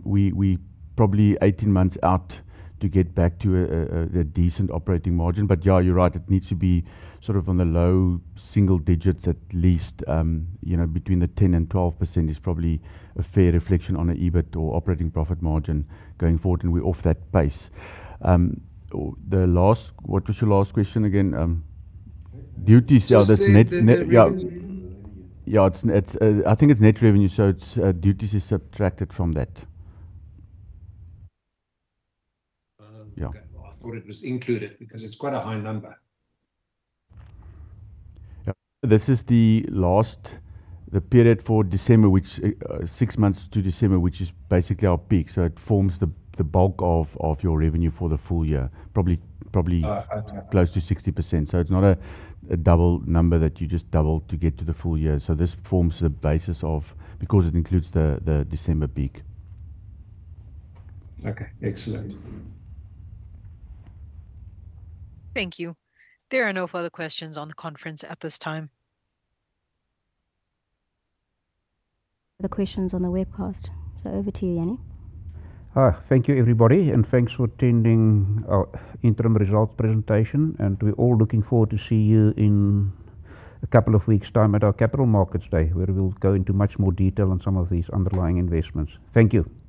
We are probably 18 months out to get back to a decent operating margin. Yeah, you're right, it needs to be sort of on the low single digits at least. Between the 10-12% is probably a fair reflection on an EBIT or operating profit margin going forward, and we're off that base. What was your last question again? Duties, yeah, that's net. Yeah, I think it's net revenue, so duties are subtracted from that. Yeah. I thought it was included because it's quite a high number. This is the last, the period for December, which six months to December, which is basically our peak. So it forms the bulk of your revenue for the full year, probably close to 60%. It is not a double number that you just double to get to the full year. This forms the basis of because it includes the December peak. Okay. Excellent. Thank you. There are no further questions on the conference at this time. Other questions on the webcast? Over to you, Jannie. Thank you, everybody. Thanks for attending our interim results presentation. We are all looking forward to seeing you in a couple of weeks' time at our Capital Markets Day, where we will go into much more detail on some of these underlying investments. Thank you.